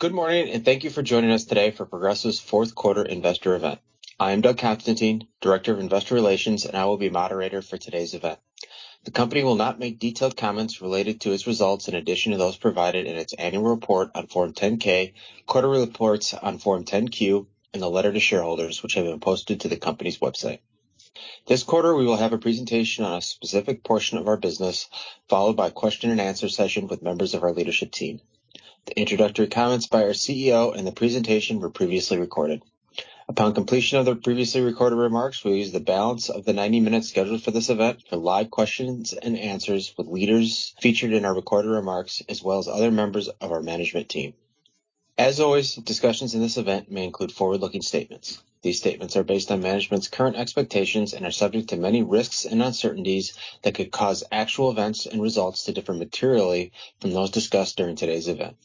Good morning, and thank you for joining us today for Progressive's fourth quarter investor event. I am Doug Constantine, Director of Investor Relations, and I will be moderator for today's event. The company will not make detailed comments related to its results in addition to those provided in its Annual Report on Form 10-K, quarterly reports on Form 10-Q, and the letter to shareholders, which have been posted to the company's website. This quarter, we will have a presentation on a specific portion of our business, followed by question and answer session with members of our leadership team. The introductory comments by our CEO and the presentation were previously recorded. Upon completion of the previously recorded remarks, we'll use the balance of the 90 minutes scheduled for this event for live questions and answers with leaders featured in our recorded remarks, as well as other members of our management team. As always, discussions in this event may include forward-looking statements. These statements are based on management's current expectations and are subject to many risks and uncertainties that could cause actual events and results to differ materially from those discussed during today's event.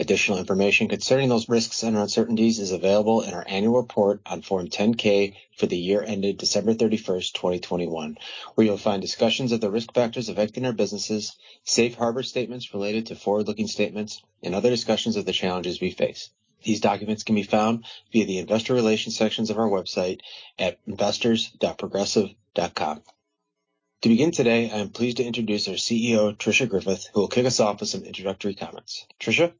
Additional information concerning those risks and uncertainties is available in our annual report on Form 10-K for the year ended December 31, 2021, where you'll find discussions of the risk factors affecting our businesses, safe harbor statements related to forward-looking statements and other discussions of the challenges we face. These documents can be found via the Investor Relations sections of our website at investors.progressive.com. To begin today, I am pleased to introduce our CEO, Tricia Griffith, who will kick us off with some introductory comments. Tricia?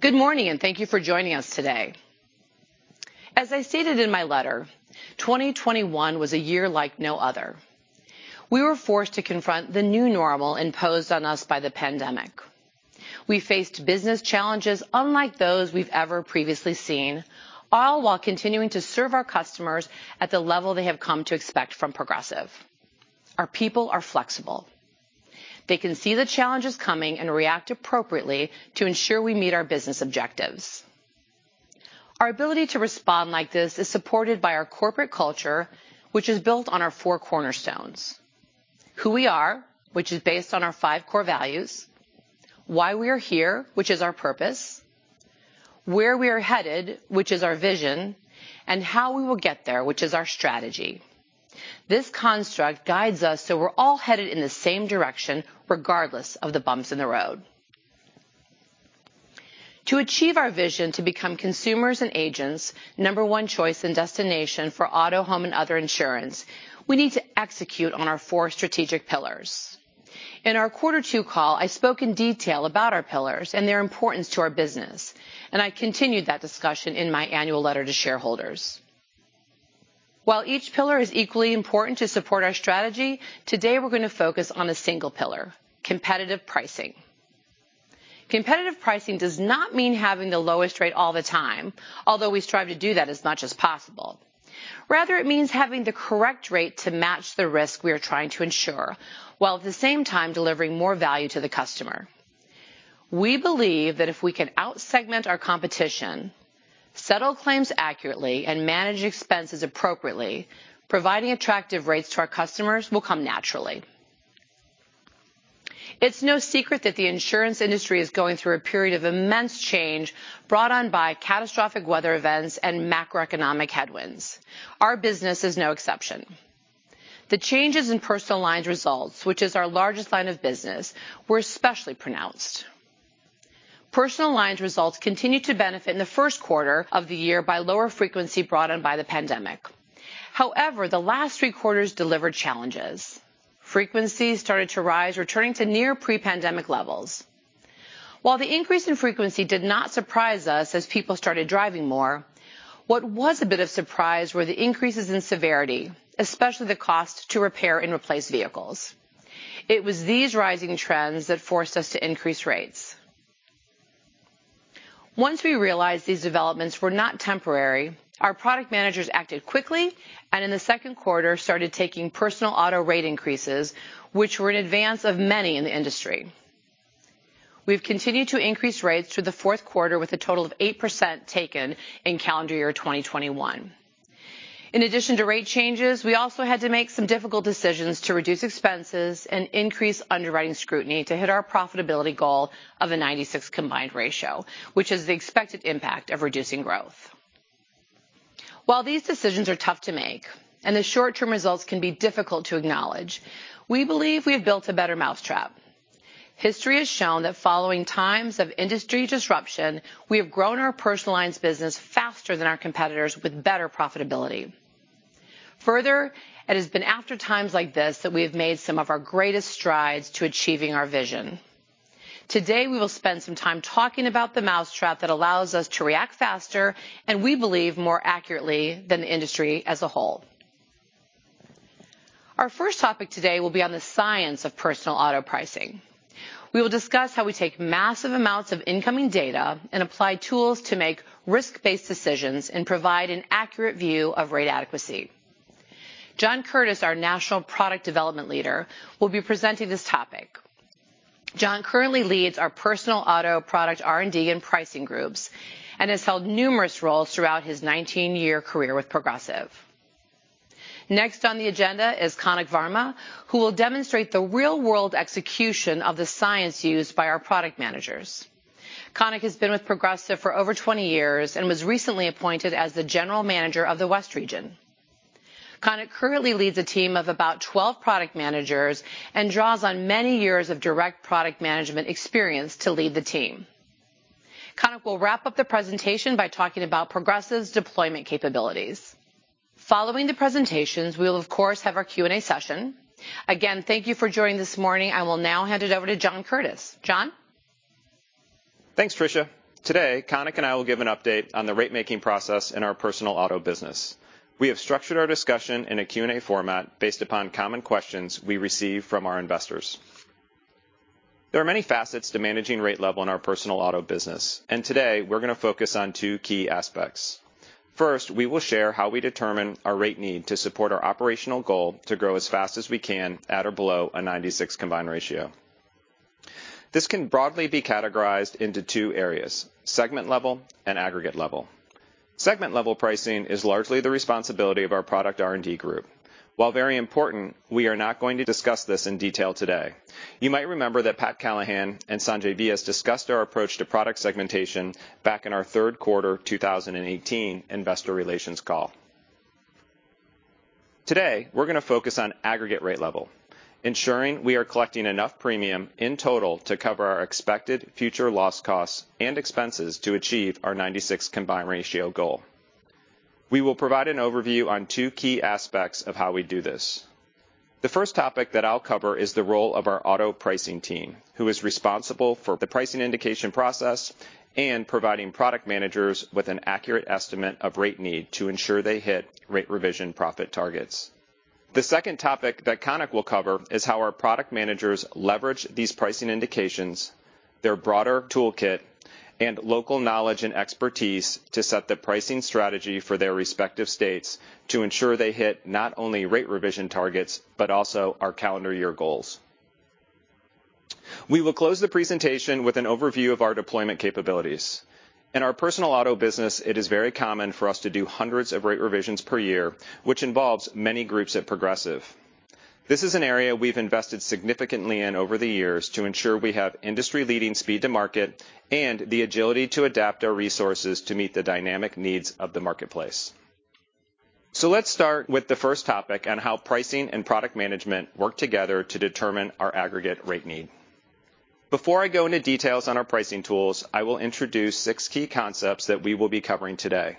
Good morning, and thank you for joining us today. As I stated in my letter, 2021 was a year like no other. We were forced to confront the new normal imposed on us by the pandemic. We faced business challenges unlike those we've ever previously seen, all while continuing to serve our customers at the level they have come to expect from Progressive. Our people are flexible. They can see the challenges coming and react appropriately to ensure we meet our business objectives. Our ability to respond like this is supported by our corporate culture, which is built on our four cornerstones, who we are, which is based on our five core values, why we are here, which is our purpose, where we are headed, which is our vision, and how we will get there, which is our strategy. This construct guides us so we're all headed in the same direction, regardless of the bumps in the road. To achieve our vision to become consumers' and agents' number one choice and destination for auto, home, and other insurance, we need to execute on our four strategic pillars. In our quarter two call, I spoke in detail about our pillars and their importance to our business, and I continued that discussion in my annual letter to shareholders. While each pillar is equally important to support our strategy, today we're gonna focus on a single pillar, competitive pricing. Competitive pricing does not mean having the lowest rate all the time, although we strive to do that as much as possible. Rather, it means having the correct rate to match the risk we are trying to insure, while at the same time delivering more value to the customer. We believe that if we can out-segment our competition, settle claims accurately, and manage expenses appropriately, providing attractive rates to our customers will come naturally. It's no secret that the insurance industry is going through a period of immense change brought on by catastrophic weather events and macroeconomic headwinds. Our business is no exception. The changes in personal lines results, which is our largest line of business, were especially pronounced. Personal lines results continued to benefit in the first quarter of the year by lower frequency brought on by the pandemic. However, the last three quarters delivered challenges. Frequency started to rise, returning to near pre-pandemic levels. While the increase in frequency did not surprise us as people started driving more, what was a bit of surprise were the increases in severity, especially the cost to repair and replace vehicles. It was these rising trends that forced us to increase rates. Once we realized these developments were not temporary, our product managers acted quickly and in the second quarter, started taking personal auto rate increases, which were in advance of many in the industry. We've continued to increase rates through the fourth quarter with a total of 8% taken in calendar year 2021. In addition to rate changes, we also had to make some difficult decisions to reduce expenses and increase underwriting scrutiny to hit our profitability goal of a 96 combined ratio, which is the expected impact of reducing growth. While these decisions are tough to make and the short-term results can be difficult to acknowledge, we believe we have built a better mousetrap. History has shown that following times of industry disruption, we have grown our personal lines business faster than our competitors with better profitability. Further, it has been after times like this that we have made some of our greatest strides to achieving our vision. Today, we will spend some time talking about the mousetrap that allows us to react faster, and we believe, more accurately than the industry as a whole. Our first topic today will be on the science of personal auto pricing. We will discuss how we take massive amounts of incoming data and apply tools to make risk-based decisions and provide an accurate view of rate adequacy. John Curtiss, our National Product Development Leader, will be presenting this topic. John currently leads our personal auto product R&D and pricing groups and has held numerous roles throughout his 19-year career with Progressive. Next on the agenda is Kanik Varma, who will demonstrate the real-world execution of the science used by our product managers. Kanik has been with Progressive for over 20 years and was recently appointed as the General Manager of the West Region. Kanik currently leads a team of about 12 product managers and draws on many years of direct product management experience to lead the team. Kanik will wrap up the presentation by talking about Progressive's deployment capabilities. Following the presentations, we'll of course have our Q&A session. Again, thank you for joining this morning. I will now hand it over to John Curtiss. John? Thanks, Tricia. Today, Kanik and I will give an update on the rate-making process in our personal auto business. We have structured our discussion in a Q&A format based upon common questions we receive from our investors. There are many facets to managing rate level in our personal auto business, and today we're gonna focus on two key aspects. First, we will share how we determine our rate need to support our operational goal to grow as fast as we can at or below a 96 combined ratio. This can broadly be categorized into two areas: segment level and aggregate level. Segment level pricing is largely the responsibility of our product R&D group. While very important, we are not going to discuss this in detail today. You might remember that Pat Callahan and Sanjay Vyas discussed our approach to product segmentation back in our third quarter 2018 investor relations call. Today, we're gonna focus on aggregate rate level, ensuring we are collecting enough premium in total to cover our expected future loss costs and expenses to achieve our 96 combined ratio goal. We will provide an overview on two key aspects of how we do this. The first topic that I'll cover is the role of our auto pricing team, who is responsible for the pricing indication process and providing product managers with an accurate estimate of rate need to ensure they hit rate revision profit targets. The second topic that Kanik will cover is how our product managers leverage these pricing indications, their broader toolkit, and local knowledge and expertise to set the pricing strategy for their respective states to ensure they hit not only rate revision targets, but also our calendar year goals. We will close the presentation with an overview of our deployment capabilities. In our personal auto business, it is very common for us to do hundreds of rate revisions per year, which involves many groups at Progressive. This is an area we've invested significantly in over the years to ensure we have industry-leading speed to market and the agility to adapt our resources to meet the dynamic needs of the marketplace. Let's start with the first topic on how pricing and product management work together to determine our aggregate rate need. Before I go into details on our pricing tools, I will introduce six key concepts that we will be covering today.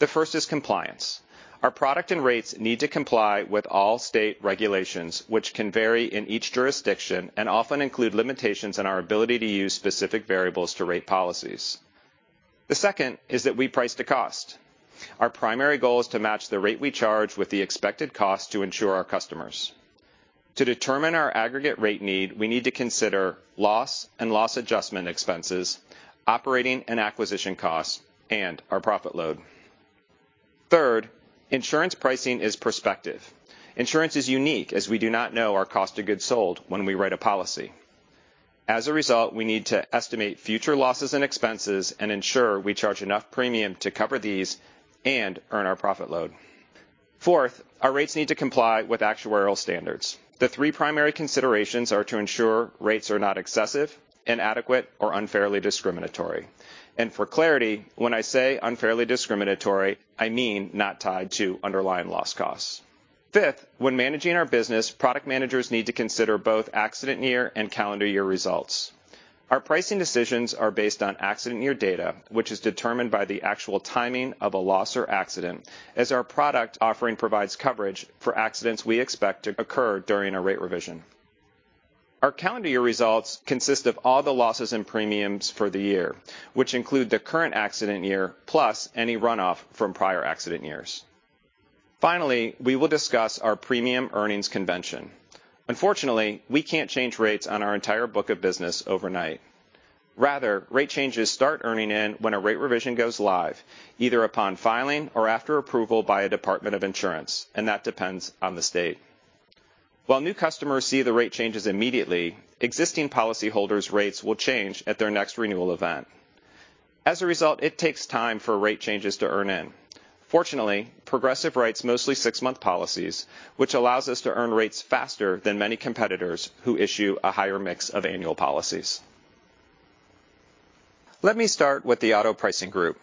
The first is compliance. Our product and rates need to comply with all state regulations, which can vary in each jurisdiction and often include limitations in our ability to use specific variables to rate policies. The second is that we price to cost. Our primary goal is to match the rate we charge with the expected cost to insure our customers. To determine our aggregate rate need, we need to consider loss and loss adjustment expenses, operating and acquisition costs, and our profit load. Third, insurance pricing is prospective. Insurance is unique as we do not know our cost of goods sold when we write a policy. As a result, we need to estimate future losses and expenses and ensure we charge enough premium to cover these and earn our profit load. Fourth, our rates need to comply with actuarial standards. The three primary considerations are to ensure rates are not excessive, inadequate, or unfairly discriminatory. For clarity, when I say unfairly discriminatory, I mean not tied to underlying loss costs. Fifth, when managing our business, product managers need to consider both accident year and calendar year results. Our pricing decisions are based on accident year data, which is determined by the actual timing of a loss or accident, as our product offering provides coverage for accidents we expect to occur during a rate revision. Our calendar year results consist of all the losses and premiums for the year, which include the current accident year plus any runoff from prior accident years. Finally, we will discuss our premium earnings convention. Unfortunately, we can't change rates on our entire book of business overnight. Rather, rate changes start earning in when a rate revision goes live, either upon filing or after approval by a department of insurance, and that depends on the state. While new customers see the rate changes immediately, existing policyholders' rates will change at their next renewal event. As a result, it takes time for rate changes to earn in. Fortunately, Progressive writes mostly six-month policies, which allows us to earn rates faster than many competitors who issue a higher mix of annual policies. Let me start with the auto pricing group.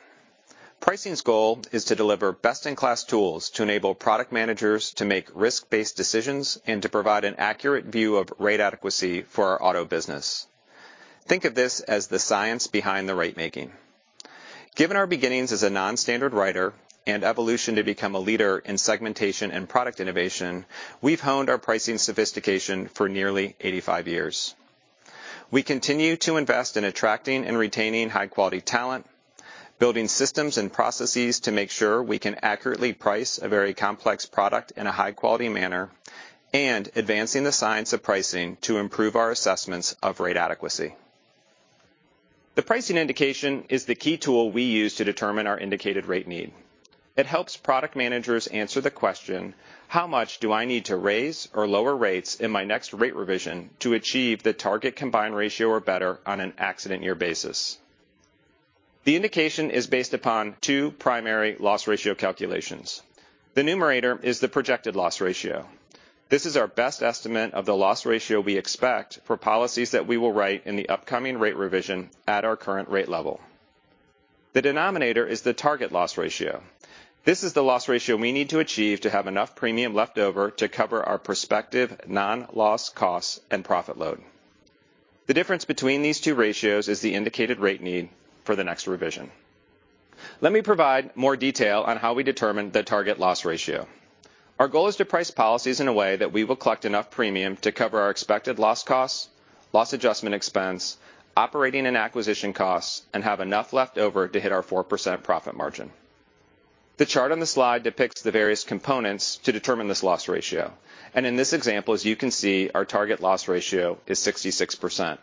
Pricing's goal is to deliver best-in-class tools to enable product managers to make risk-based decisions and to provide an accurate view of rate adequacy for our auto business. Think of this as the science behind the rate making. Given our beginnings as a non-standard writer and evolution to become a leader in segmentation and product innovation, we've honed our pricing sophistication for nearly 85 years. We continue to invest in attracting and retaining high-quality talent, building systems and processes to make sure we can accurately price a very complex product in a high-quality manner, and advancing the science of pricing to improve our assessments of rate adequacy. The pricing indication is the key tool we use to determine our indicated rate need. It helps product managers answer the question: how much do I need to raise or lower rates in my next rate revision to achieve the target combined ratio or better on an accident year basis? The indication is based upon two primary loss ratio calculations. The numerator is the projected loss ratio. This is our best estimate of the loss ratio we expect for policies that we will write in the upcoming rate revision at our current rate level. The denominator is the target loss ratio. This is the loss ratio we need to achieve to have enough premium left over to cover our prospective non-loss costs and profit load. The difference between these two ratios is the indicated rate need for the next revision. Let me provide more detail on how we determine the target loss ratio. Our goal is to price policies in a way that we will collect enough premium to cover our expected loss costs, loss adjustment expense, operating and acquisition costs, and have enough left over to hit our 4% profit margin. The chart on the slide depicts the various components to determine this loss ratio, and in this example, as you can see, our target loss ratio is 66%.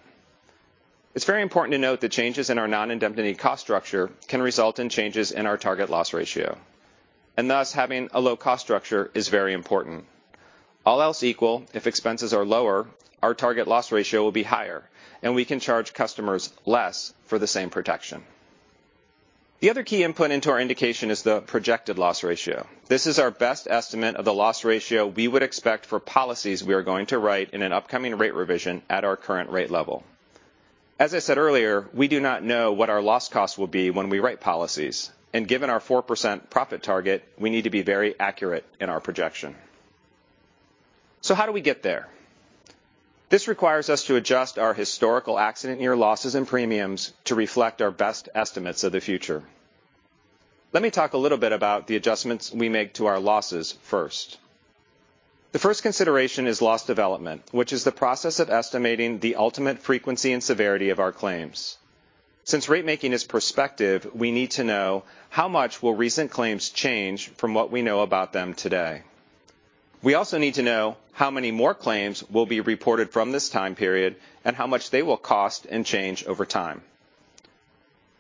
It's very important to note that changes in our non-indemnity cost structure can result in changes in our target loss ratio, and thus having a low cost structure is very important. All else equal, if expenses are lower, our target loss ratio will be higher, and we can charge customers less for the same protection. The other key input into our indication is the projected loss ratio. This is our best estimate of the loss ratio we would expect for policies we are going to write in an upcoming rate revision at our current rate level. As I said earlier, we do not know what our loss costs will be when we write policies, and given our 4% profit target, we need to be very accurate in our projection. How do we get there? This requires us to adjust our historical accident year losses and premiums to reflect our best estimates of the future. Let me talk a little bit about the adjustments we make to our losses first. The first consideration is loss development, which is the process of estimating the ultimate frequency and severity of our claims. Since rate making is prospective, we need to know how much will recent claims change from what we know about them today. We also need to know how many more claims will be reported from this time period and how much they will cost and change over time.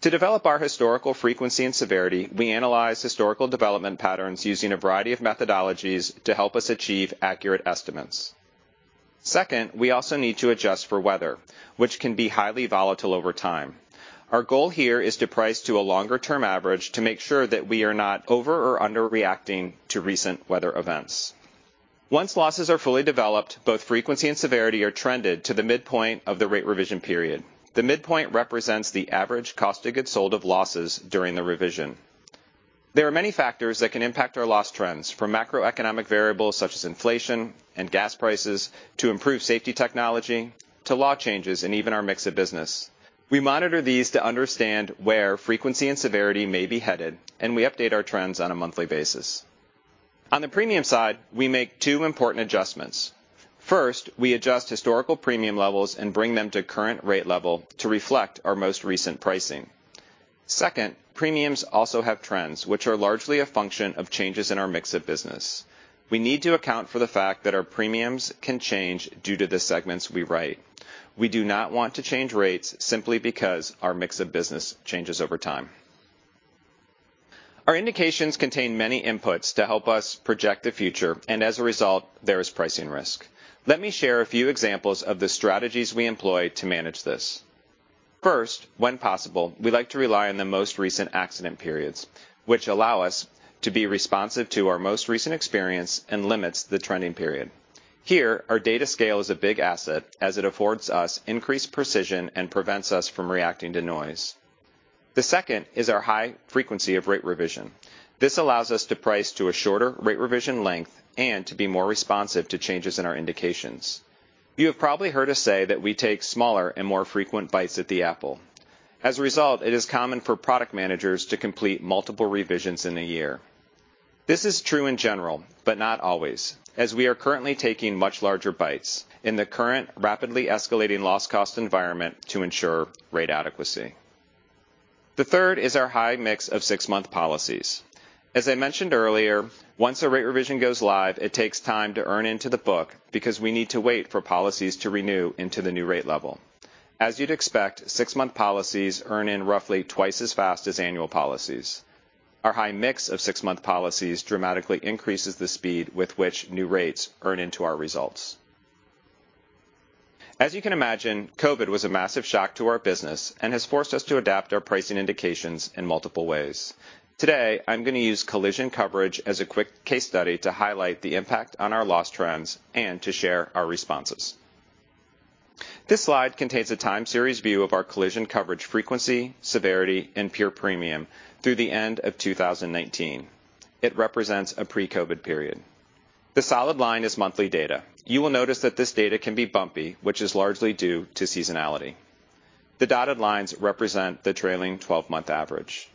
To develop our historical frequency and severity, we analyze historical development patterns using a variety of methodologies to help us achieve accurate estimates. Second, we also need to adjust for weather, which can be highly volatile over time. Our goal here is to price to a longer-term average to make sure that we are not over or underreacting to recent weather events. Once losses are fully developed, both frequency and severity are trended to the midpoint of the rate revision period. The midpoint represents the average cost of goods sold of losses during the revision. There are many factors that can impact our loss trends, from macroeconomic variables such as inflation and gas prices, to improved safety technology, to law changes and even our mix of business. We monitor these to understand where frequency and severity may be headed, and we update our trends on a monthly basis. On the premium side, we make two important adjustments. First, we adjust historical premium levels and bring them to current rate level to reflect our most recent pricing. Second, premiums also have trends which are largely a function of changes in our mix of business. We need to account for the fact that our premiums can change due to the segments we write. We do not want to change rates simply because our mix of business changes over time. Our indications contain many inputs to help us project the future, and as a result, there is pricing risk. Let me share a few examples of the strategies we employ to manage this. First, when possible, we like to rely on the most recent accident periods, which allow us to be responsive to our most recent experience and limits the trending period. Here, our data scale is a big asset as it affords us increased precision and prevents us from reacting to noise. The second is our high frequency of rate revision. This allows us to price to a shorter rate revision length and to be more responsive to changes in our indications. You have probably heard us say that we take smaller and more frequent bites at the apple. As a result, it is common for product managers to complete multiple revisions in a year. This is true in general, but not always, as we are currently taking much larger bites in the current rapidly escalating loss cost environment to ensure rate adequacy. The third is our high mix of six-month policies. As I mentioned earlier, once a rate revision goes live, it takes time to earn into the book because we need to wait for policies to renew into the new rate level. As you'd expect, six-month policies earn in roughly twice as fast as annual policies. Our high mix of six-month policies dramatically increases the speed with which new rates earn into our results. As you can imagine, COVID was a massive shock to our business and has forced us to adapt our pricing indications in multiple ways. Today, I'm going to use collision coverage as a quick case study to highlight the impact on our loss trends and to share our responses. This slide contains a time series view of our collision coverage frequency, severity, and pure premium through the end of 2019. It represents a pre-COVID period. The solid line is monthly data. You will notice that this data can be bumpy, which is largely due to seasonality. The dotted lines represent the trailing 12-month average.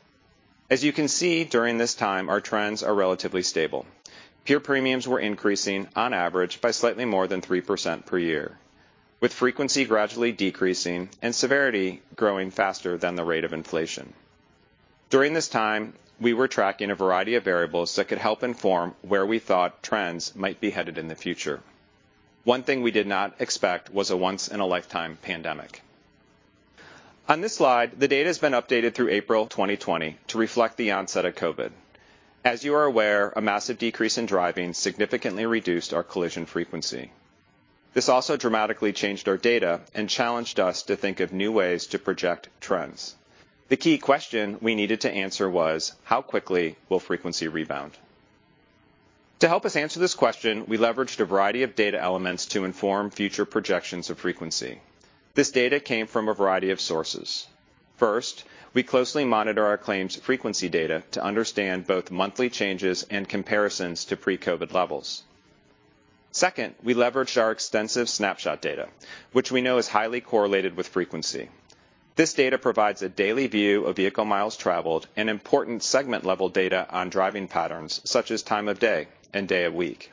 As you can see during this time, our trends are relatively stable. Pure premiums were increasing on average by slightly more than 3% per year, with frequency gradually decreasing and severity growing faster than the rate of inflation. During this time, we were tracking a variety of variables that could help inform where we thought trends might be headed in the future. One thing we did not expect was a once-in-a-lifetime pandemic. On this slide, the data has been updated through April 2020 to reflect the onset of COVID. As you are aware, a massive decrease in driving significantly reduced our collision frequency. This also dramatically changed our data and challenged us to think of new ways to project trends. The key question we needed to answer was how quickly will frequency rebound? To help us answer this question, we leveraged a variety of data elements to inform future projections of frequency. This data came from a variety of sources. First, we closely monitor our claims frequency data to understand both monthly changes and comparisons to pre-COVID levels. Second, we leveraged our extensive Snapshot data, which we know is highly correlated with frequency. This data provides a daily view of Vehicle Miles Traveled and important segment-level data on driving patterns, such as time of day and day of week.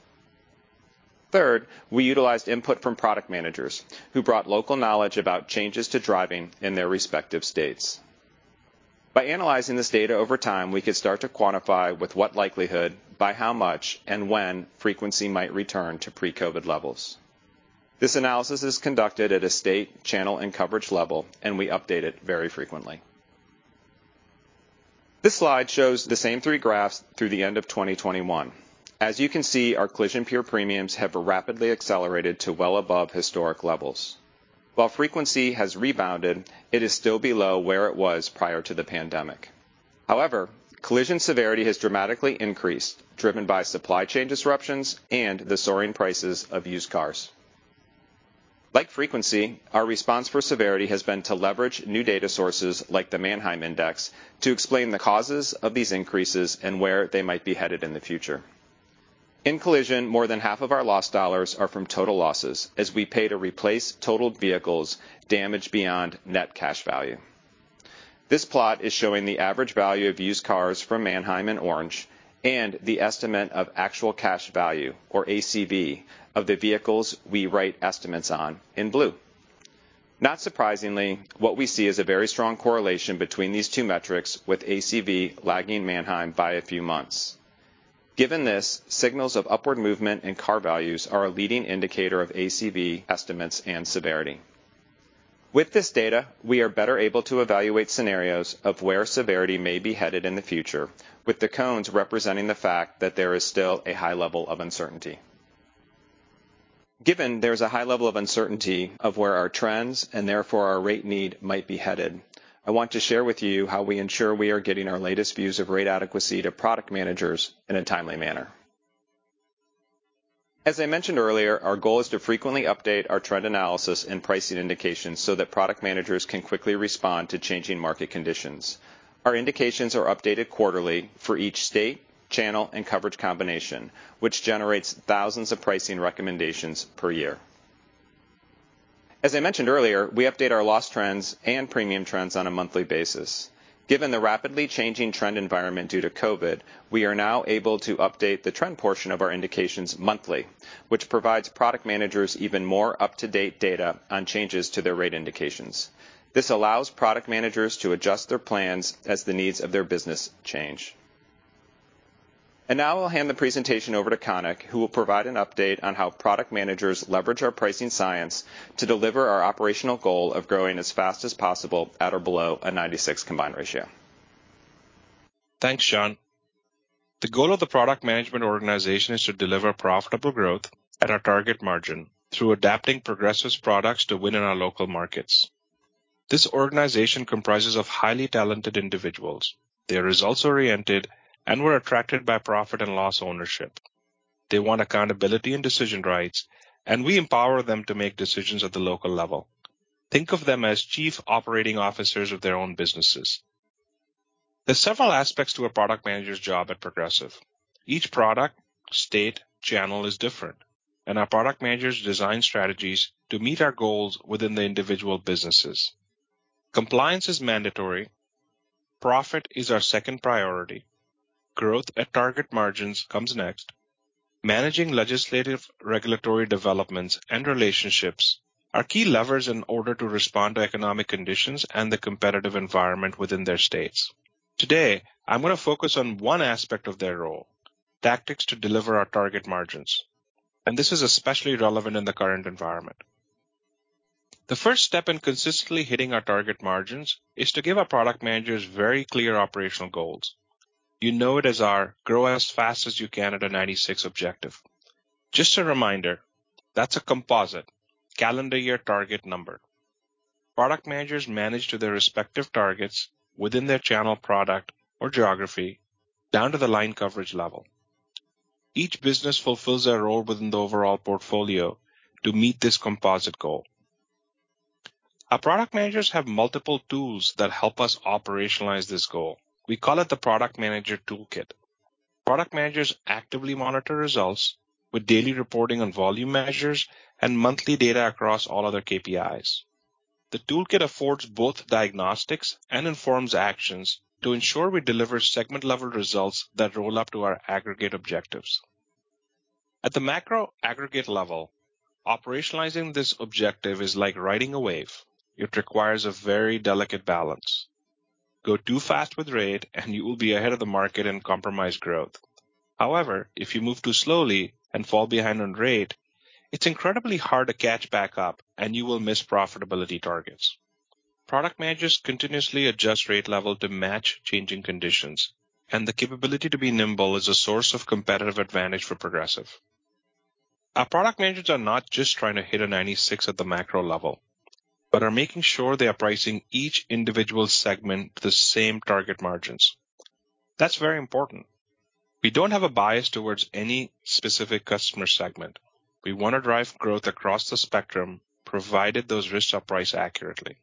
Third, we utilized input from product managers who brought local knowledge about changes to driving in their respective states. By analyzing this data over time, we could start to quantify with what likelihood, by how much, and when frequency might return to pre-COVID levels. This analysis is conducted at a state, channel, and coverage level, and we update it very frequently. This slide shows the same three graphs through the end of 2021. As you can see, our collision pure premiums have rapidly accelerated to well above historic levels. While frequency has rebounded, it is still below where it was prior to the pandemic. However, collision severity has dramatically increased, driven by supply chain disruptions and the soaring prices of used cars. Like frequency, our response for severity has been to leverage new data sources like the Manheim Index to explain the causes of these increases and where they might be headed in the future. In collision, more than half of our loss dollars are from total losses as we pay to replace totaled vehicles damaged beyond actual cash value. This plot is showing the average value of used cars from Manheim in orange and the estimate of actual cash value, or ACV, of the vehicles we write estimates on in blue. Not surprisingly, what we see is a very strong correlation between these two metrics, with ACV lagging Manheim by a few months. Given this, signals of upward movement and car values are a leading indicator of ACV estimates and severity. With this data, we are better able to evaluate scenarios of where severity may be headed in the future, with the cones representing the fact that there is still a high level of uncertainty. Given there's a high level of uncertainty of where our trends and therefore our rate need might be headed, I want to share with you how we ensure we are getting our latest views of rate adequacy to product managers in a timely manner. As I mentioned earlier, our goal is to frequently update our trend analysis and pricing indications so that product managers can quickly respond to changing market conditions. Our indications are updated quarterly for each state, channel, and coverage combination, which generates thousands of pricing recommendations per year. As I mentioned earlier, we update our loss trends and premium trends on a monthly basis. Given the rapidly changing trend environment due to COVID, we are now able to update the trend portion of our indications monthly, which provides product managers even more up-to-date data on changes to their rate indications. This allows product managers to adjust their plans as the needs of their business change. Now I'll hand the presentation over to Kanik, who will provide an update on how product managers leverage our pricing science to deliver our operational goal of growing as fast as possible at or below a 96 combined ratio. Thanks, John. The goal of the product management organization is to deliver profitable growth at our target margin through adapting Progressive's products to win in our local markets. This organization comprises of highly talented individuals. They are results-oriented and were attracted by profit and loss ownership. They want accountability and decision rights, and we empower them to make decisions at the local level. Think of them as chief operating officers of their own businesses. There's several aspects to a product manager's job at Progressive. Each product, state, channel is different, and our product managers design strategies to meet our goals within the individual businesses. Compliance is mandatory. Profit is our second priority. Growth at target margins comes next. Managing legislative regulatory developments and relationships are key levers in order to respond to economic conditions and the competitive environment within their states. Today, I'm going to focus on one aspect of their role, tactics to deliver our target margins, and this is especially relevant in the current environment. The first step in consistently hitting our target margins is to give our product managers very clear operational goals. You know it as our grow as fast as you can at a 96% objective. Just a reminder, that's a composite calendar year target number. Product managers manage to their respective targets within their channel product or geography down to the line coverage level. Each business fulfills their role within the overall portfolio to meet this composite goal. Our product managers have multiple tools that help us operationalize this goal. We call it the Product Manager Toolkit. Product managers actively monitor results with daily reporting on volume measures and monthly data across all other KPIs. The toolkit affords both diagnostics and informs actions to ensure we deliver segment-level results that roll up to our aggregate objectives. At the macro aggregate level, operationalizing this objective is like riding a wave. It requires a very delicate balance. Go too fast with rate, and you will be ahead of the market and compromise growth. However, if you move too slowly and fall behind on rate, it's incredibly hard to catch back up, and you will miss profitability targets. Product managers continuously adjust rate level to match changing conditions, and the capability to be nimble is a source of competitive advantage for Progressive. Our product managers are not just trying to hit a 96 at the macro level, but are making sure they are pricing each individual segment the same target margins. That's very important. We don't have a bias towards any specific customer segment. We wanna drive growth across the spectrum, provided those risks are priced accurately.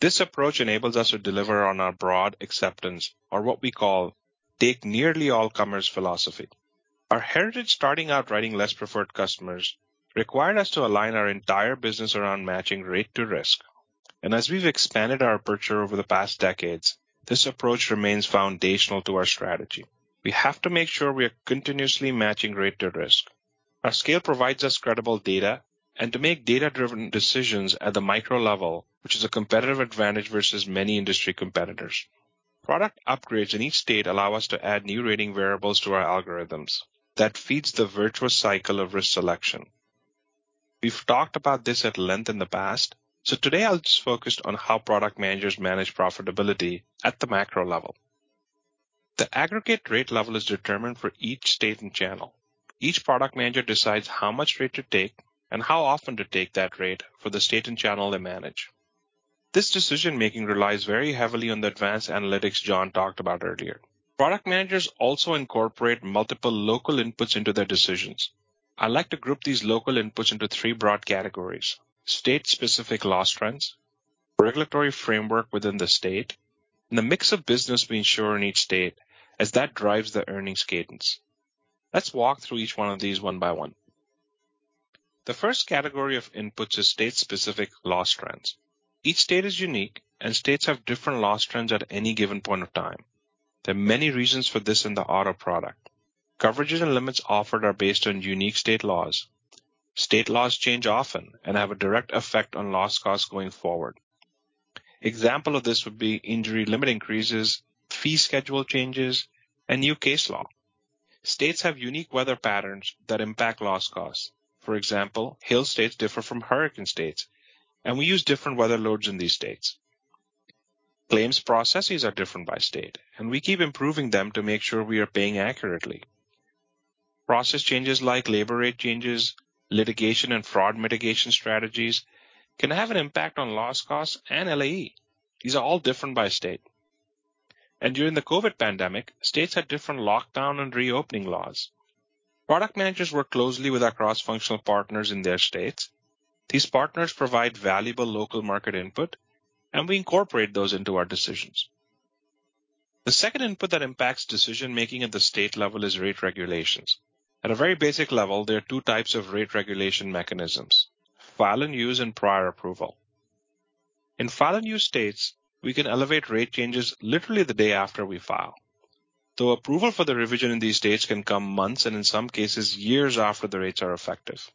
This approach enables us to deliver on our broad acceptance or what we call take nearly all comers philosophy. Our heritage starting out writing less preferred customers required us to align our entire business around matching rate to risk. As we've expanded our aperture over the past decades, this approach remains foundational to our strategy. We have to make sure we are continuously matching rate to risk. Our scale provides us credible data and to make data-driven decisions at the micro level, which is a competitive advantage versus many industry competitors. Product upgrades in each state allow us to add new rating variables to our algorithms that feeds the virtuous cycle of risk selection. We've talked about this at length in the past, so today I'll just focus on how product managers manage profitability at the macro level. The aggregate rate level is determined for each state and channel. Each product manager decides how much rate to take and how often to take that rate for the state and channel they manage. This decision-making relies very heavily on the advanced analytics John talked about earlier. Product managers also incorporate multiple local inputs into their decisions. I like to group these local inputs into three broad categories: state-specific loss trends, regulatory framework within the state, and the mix of business we insure in each state as that drives the earnings cadence. Let's walk through each one of these one by one. The first category of inputs is state-specific loss trends. Each state is unique, and states have different loss trends at any given point of time. There are many reasons for this in the auto product. Coverages and limits offered are based on unique state laws. State laws change often and have a direct effect on loss costs going forward. Example of this would be injury limit increases, fee schedule changes, and new case law. States have unique weather patterns that impact loss costs. For example, hail states differ from hurricane states, and we use different weather loads in these states. Claims processes are different by state, and we keep improving them to make sure we are paying accurately. Process changes like labor rate changes, litigation, and fraud mitigation strategies can have an impact on loss costs and LAE. These are all different by state. During the COVID pandemic, states had different lockdown and reopening laws. Product managers work closely with our cross-functional partners in their states. These partners provide valuable local market input, and we incorporate those into our decisions. The second input that impacts decision-making at the state level is rate regulations. At a very basic level, there are two types of rate regulation mechanisms, file and use and prior approval. In file and use states, we can elevate rate changes literally the day after we file. Though approval for the revision in these states can come months and in some cases years after the rates are effective.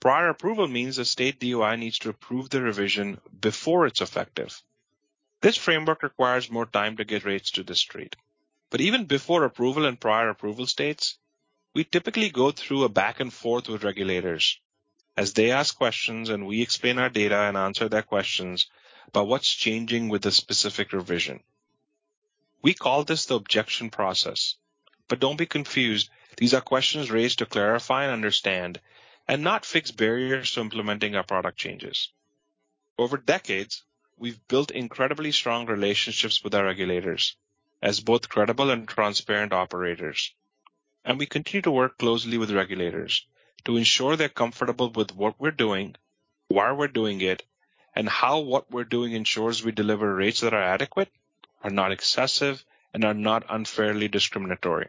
Prior approval means the state DOI needs to approve the revision before it's effective. This framework requires more time to get rates to the street. Even before approval in prior approval states, we typically go through a back and forth with regulators as they ask questions, and we explain our data and answer their questions about what's changing with a specific revision. We call this the objection process. Don't be confused, these are questions raised to clarify and understand and not fix barriers to implementing our product changes. Over decades, we've built incredibly strong relationships with our regulators as both credible and transparent operators, and we continue to work closely with regulators to ensure they're comfortable with what we're doing, why we're doing it, and how what we're doing ensures we deliver rates that are adequate, are not excessive, and are not unfairly discriminatory.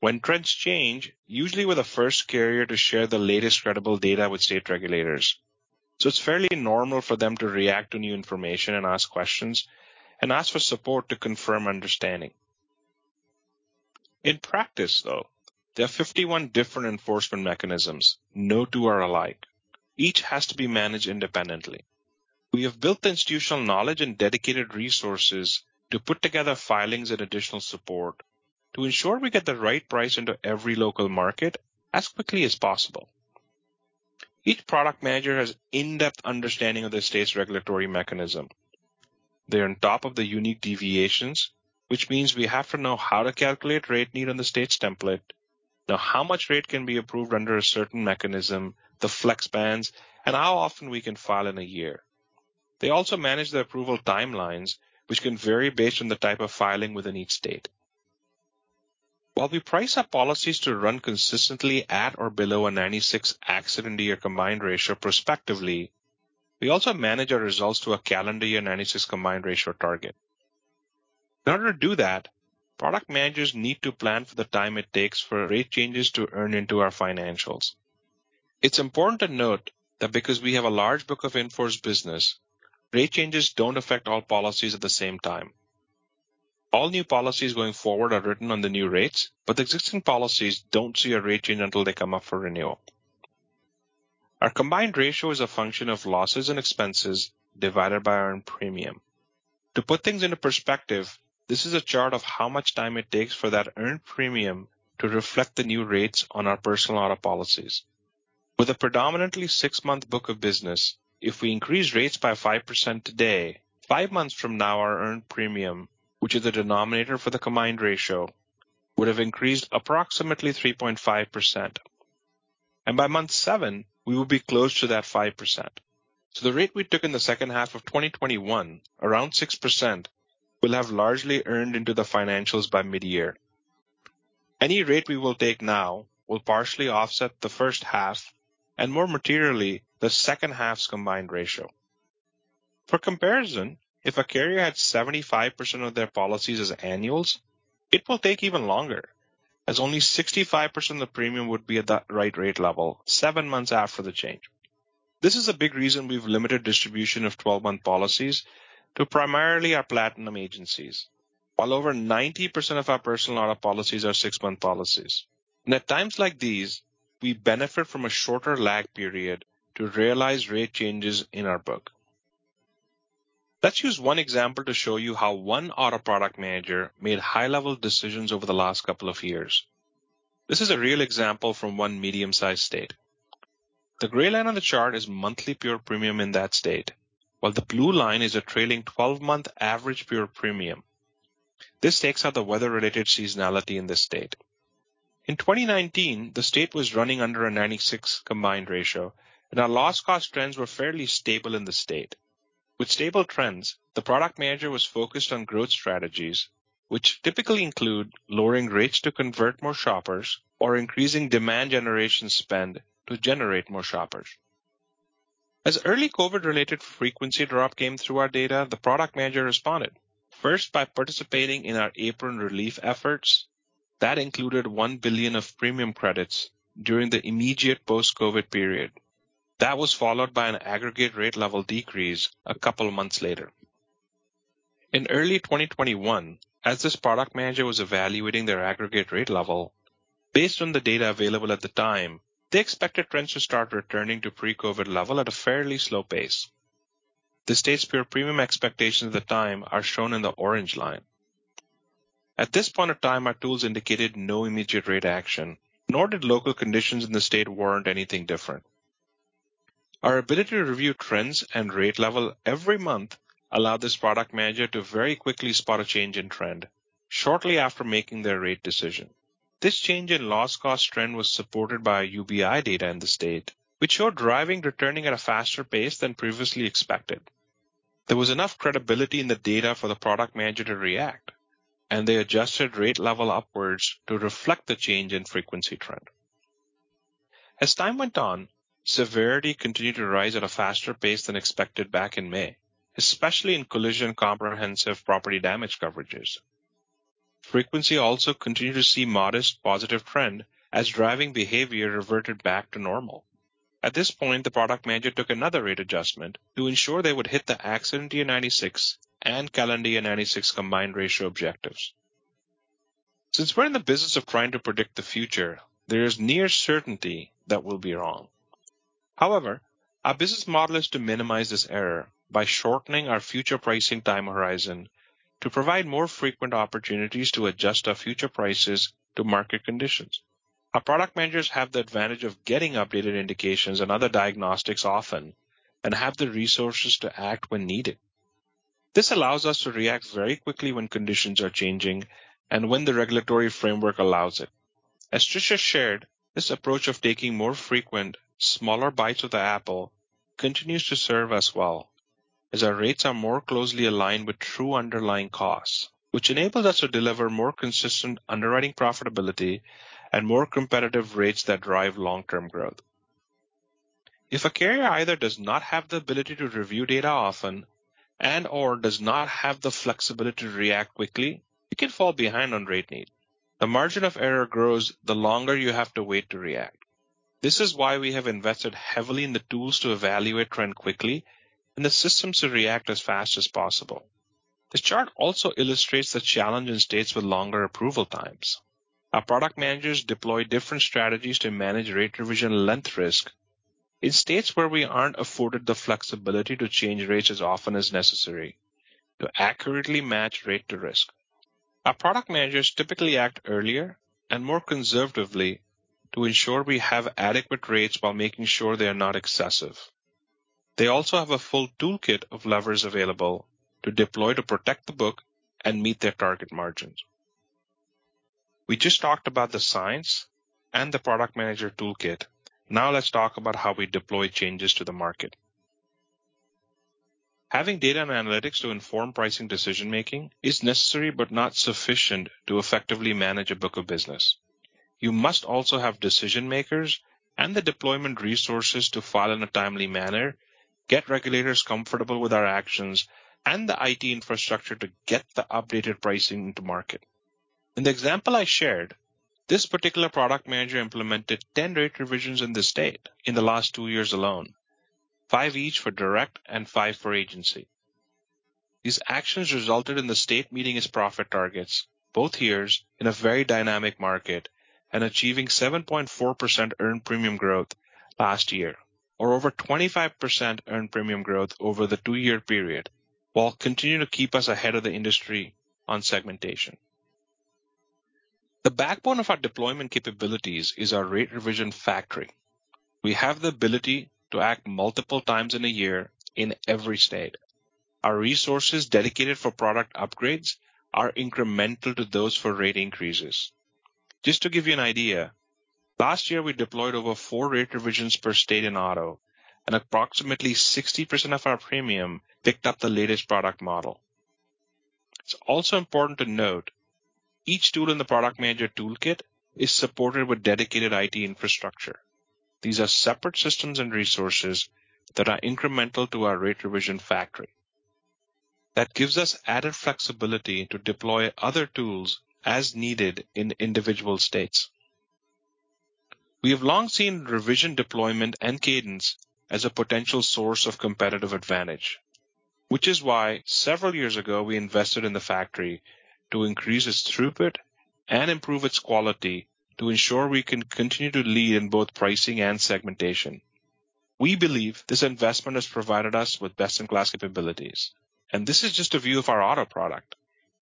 When trends change, usually we're the first carrier to share the latest credible data with state regulators. It's fairly normal for them to react to new information and ask questions and ask for support to confirm understanding. In practice, though, there are 51 different enforcement mechanisms. No two are alike. Each has to be managed independently. We have built the institutional knowledge and dedicated resources to put together filings and additional support to ensure we get the right price into every local market as quickly as possible. Each product manager has in-depth understanding of their state's regulatory mechanism. They're on top of the unique deviations, which means we have to know how to calculate rate need on the state's template, know how much rate can be approved under a certain mechanism, the flex bands, and how often we can file in a year. They also manage the approval timelines, which can vary based on the type of filing within each state. While we price our policies to run consistently at or below a 96 accident year combined ratio prospectively, we also manage our results to a calendar year 96 combined ratio target. In order to do that, product managers need to plan for the time it takes for rate changes to earn into our financials. It's important to note that because we have a large book of in-force business, rate changes don't affect all policies at the same time. All new policies going forward are written on the new rates, but existing policies don't see a rate change until they come up for renewal. Our combined ratio is a function of losses and expenses divided by earned premium. To put things into perspective, this is a chart of how much time it takes for that earned premium to reflect the new rates on our personal auto policies. With a predominantly six-month book of business, if we increase rates by 5% today, five months from now our earned premium, which is the denominator for the combined ratio, would have increased approximately 3.5%. By month seven, we will be close to that 5%. The rate we took in the second half of 2021, around 6%, will have largely earned into the financials by mid-year. Any rate we will take now will partially offset the first half and more materially, the second half's combined ratio. For comparison, if a carrier had 75% of their policies as annuals, it will take even longer as only 65% of the premium would be at that right rate level seven months after the change. This is a big reason we've limited distribution of 12-month policies to primarily our platinum agencies. Well over 90% of our personal auto policies are six-month policies. At times like these, we benefit from a shorter lag period to realize rate changes in our book. Let's use one example to show you how one auto product manager made high-level decisions over the last couple of years. This is a real example from one medium-sized state. The gray line on the chart is monthly pure premium in that state, while the blue line is a trailing 12-month average pure premium. This takes out the weather-related seasonality in this state. In 2019, the state was running under a 96 combined ratio, and our loss cost trends were fairly stable in the state. With stable trends, the product manager was focused on growth strategies, which typically include lowering rates to convert more shoppers or increasing demand generation spend to generate more shoppers. As early COVID-related frequency drop came through our data, the product manager responded, first by participating in our Apron relief efforts. That included $1 billion of premium credits during the immediate post-COVID period. That was followed by an aggregate rate level decrease a couple months later. In early 2021, as this product manager was evaluating their aggregate rate level, based on the data available at the time, they expected trends to start returning to pre-COVID level at a fairly slow pace. The state's pure premium expectations at the time are shown in the orange line. At this point of time, our tools indicated no immediate rate action, nor did local conditions in the state warrant anything different. Our ability to review trends and rate level every month allowed this product manager to very quickly spot a change in trend shortly after making their rate decision. This change in loss cost trend was supported by UBI data in the state, which showed driving returning at a faster pace than previously expected. There was enough credibility in the data for the product manager to react, and they adjusted rate level upwards to reflect the change in frequency trend. As time went on, severity continued to rise at a faster pace than expected back in May, especially in collision comprehensive property damage coverages. Frequency also continued to see modest positive trend as driving behavior reverted back to normal. At this point, the product manager took another rate adjustment to ensure they would hit the accident year 96 and calendar year 96 combined ratio objectives. Since we're in the business of trying to predict the future, there is near certainty that we'll be wrong. However, our business model is to minimize this error by shortening our future pricing time horizon to provide more frequent opportunities to adjust our future prices to market conditions. Our product managers have the advantage of getting updated indications and other diagnostics often and have the resources to act when needed. This allows us to react very quickly when conditions are changing and when the regulatory framework allows it. As Tricia shared, this approach of taking more frequent, smaller bites of the apple continues to serve us well as our rates are more closely aligned with true underlying costs, which enables us to deliver more consistent underwriting profitability and more competitive rates that drive long-term growth. If a carrier either does not have the ability to review data often and/or does not have the flexibility to react quickly, it can fall behind on rate need. The margin of error grows the longer you have to wait to react. This is why we have invested heavily in the tools to evaluate trend quickly and the systems to react as fast as possible. This chart also illustrates the challenge in states with longer approval times. Our product managers deploy different strategies to manage rate revision length risk in states where we aren't afforded the flexibility to change rates as often as necessary to accurately match rate to risk. Our product managers typically act earlier and more conservatively to ensure we have adequate rates while making sure they are not excessive. They also have a full toolkit of levers available to deploy to protect the book and meet their target margins. We just talked about the science and the product manager toolkit. Now let's talk about how we deploy changes to the market. Having data and analytics to inform pricing decision-making is necessary but not sufficient to effectively manage a book of business. You must also have decision-makers and the deployment resources to file in a timely manner, get regulators comfortable with our actions, and the IT infrastructure to get the updated pricing to market. In the example I shared, this particular product manager implemented 10 rate revisions in the state in the last two years alone, five each for direct and five for agency. These actions resulted in the state meeting its profit targets both years in a very dynamic market and achieving 7.4% earned premium growth last year or over 25% earned premium growth over the two-year period, while continuing to keep us ahead of the industry on segmentation. The backbone of our deployment capabilities is our rate revision factory. We have the ability to act multiple times in a year in every state. Our resources dedicated for product upgrades are incremental to those for rate increases. Just to give you an idea, last year, we deployed over four rate revisions per state in auto, and approximately 60% of our premium picked up the latest product model. It's also important to note each tool in the product manager toolkit is supported with dedicated IT infrastructure. These are separate systems and resources that are incremental to our rate revision factory. That gives us added flexibility to deploy other tools as needed in individual states. We have long seen revision deployment and cadence as a potential source of competitive advantage, which is why, several years ago, we invested in the factory to increase its throughput and improve its quality to ensure we can continue to lead in both pricing and segmentation. We believe this investment has provided us with best-in-class capabilities, and this is just a view of our auto product.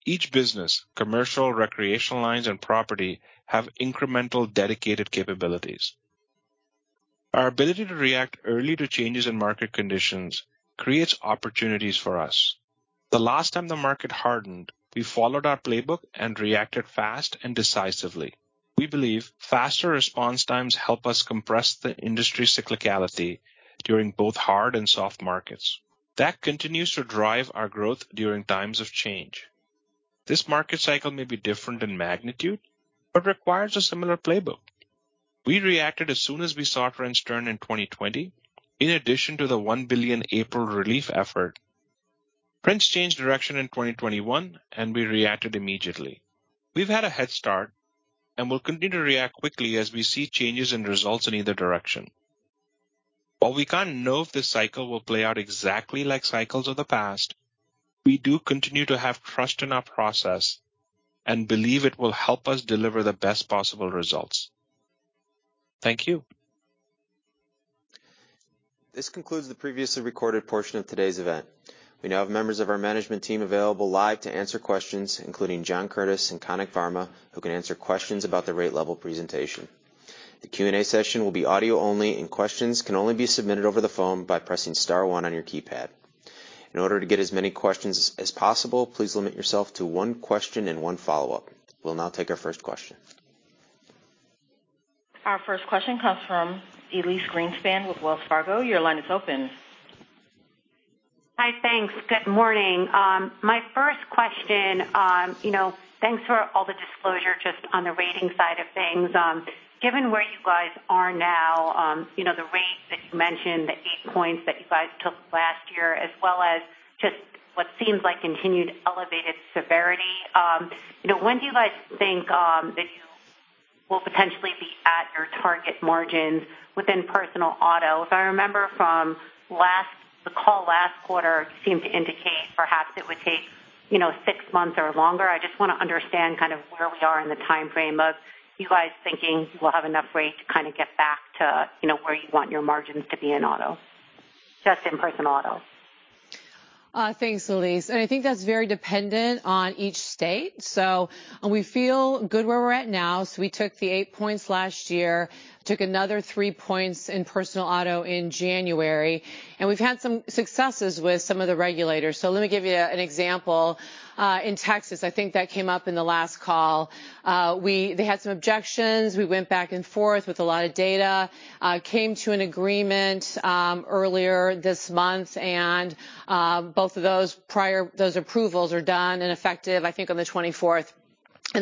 Each business, commercial, recreational lines, and property, have incremental, dedicated capabilities. Our ability to react early to changes in market conditions creates opportunities for us. The last time the market hardened, we followed our playbook and reacted fast and decisively. We believe faster response times help us compress the industry cyclicality during both hard and soft markets. That continues to drive our growth during times of change. This market cycle may be different in magnitude but requires a similar playbook. We reacted as soon as we saw trends turn in 2020, in addition to the $1 billion Apron relief effort. Trends changed direction in 2021, and we reacted immediately. We've had a head start, and we'll continue to react quickly as we see changes in results in either direction. While we can't know if this cycle will play out exactly like cycles of the past, we do continue to have trust in our process and believe it will help us deliver the best possible results. Thank you. This concludes the previously recorded portion of today's event. We now have members of our management team available live to answer questions, including John Curtiss and Kanik Varma, who can answer questions about the rate level presentation. The Q&A session will be audio only, and questions can only be submitted over the phone by pressing star one on your keypad. In order to get as many questions as possible, please limit yourself to one question and one follow-up. We'll now take our first question. Our first question comes from Elyse Greenspan with Wells Fargo. Your line is open. Hi. Thanks. Good morning. My first question, you know, thanks for all the disclosure just on the rating side of things. Given where you guys are now, you know, the rates that you mentioned, the 8 points that you guys took last year, as well as just what seems like continued elevated severity, you know, when do you guys think that you will potentially be at your target margins within personal auto? If I remember from the call last quarter, it seemed to indicate perhaps it would take, you know, six months or longer. I just wanna understand kind of where we are in the timeframe of you guys thinking we'll have enough rate to kinda get back to, you know, where you want your margins to be in auto. Just in personal auto. Thanks, Elyse. I think that's very dependent on each state. We feel good where we're at now. We took the 8 points last year, took another 3 points in personal auto in January, and we've had some successes with some of the regulators. Let me give you an example. In Texas, I think that came up in the last call. They had some objections. We went back and forth with a lot of data, came to an agreement earlier this month, and both of those approvals are done and effective, I think on the 24th.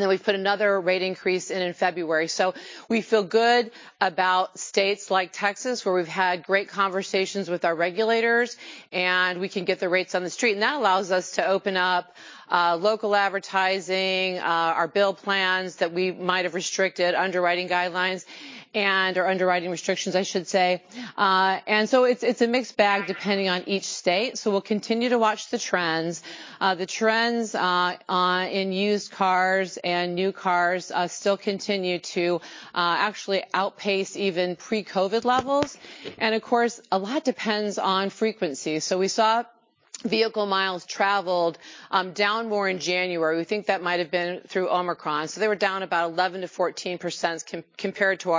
Then we've put another rate increase in February. We feel good about states like Texas, where we've had great conversations with our regulators, and we can get the rates on the street. That allows us to open up local advertising, our bill plans that we might have restricted, underwriting guidelines or underwriting restrictions, I should say. It's a mixed bag depending on each state, so we'll continue to watch the trends. The trends in used cars and new cars still continue to actually outpace even pre-COVID levels. Of course, a lot depends on frequency. We saw Vehicle Miles Traveled down more in January. We think that might've been through Omicron. They were down about 11%-14% compared to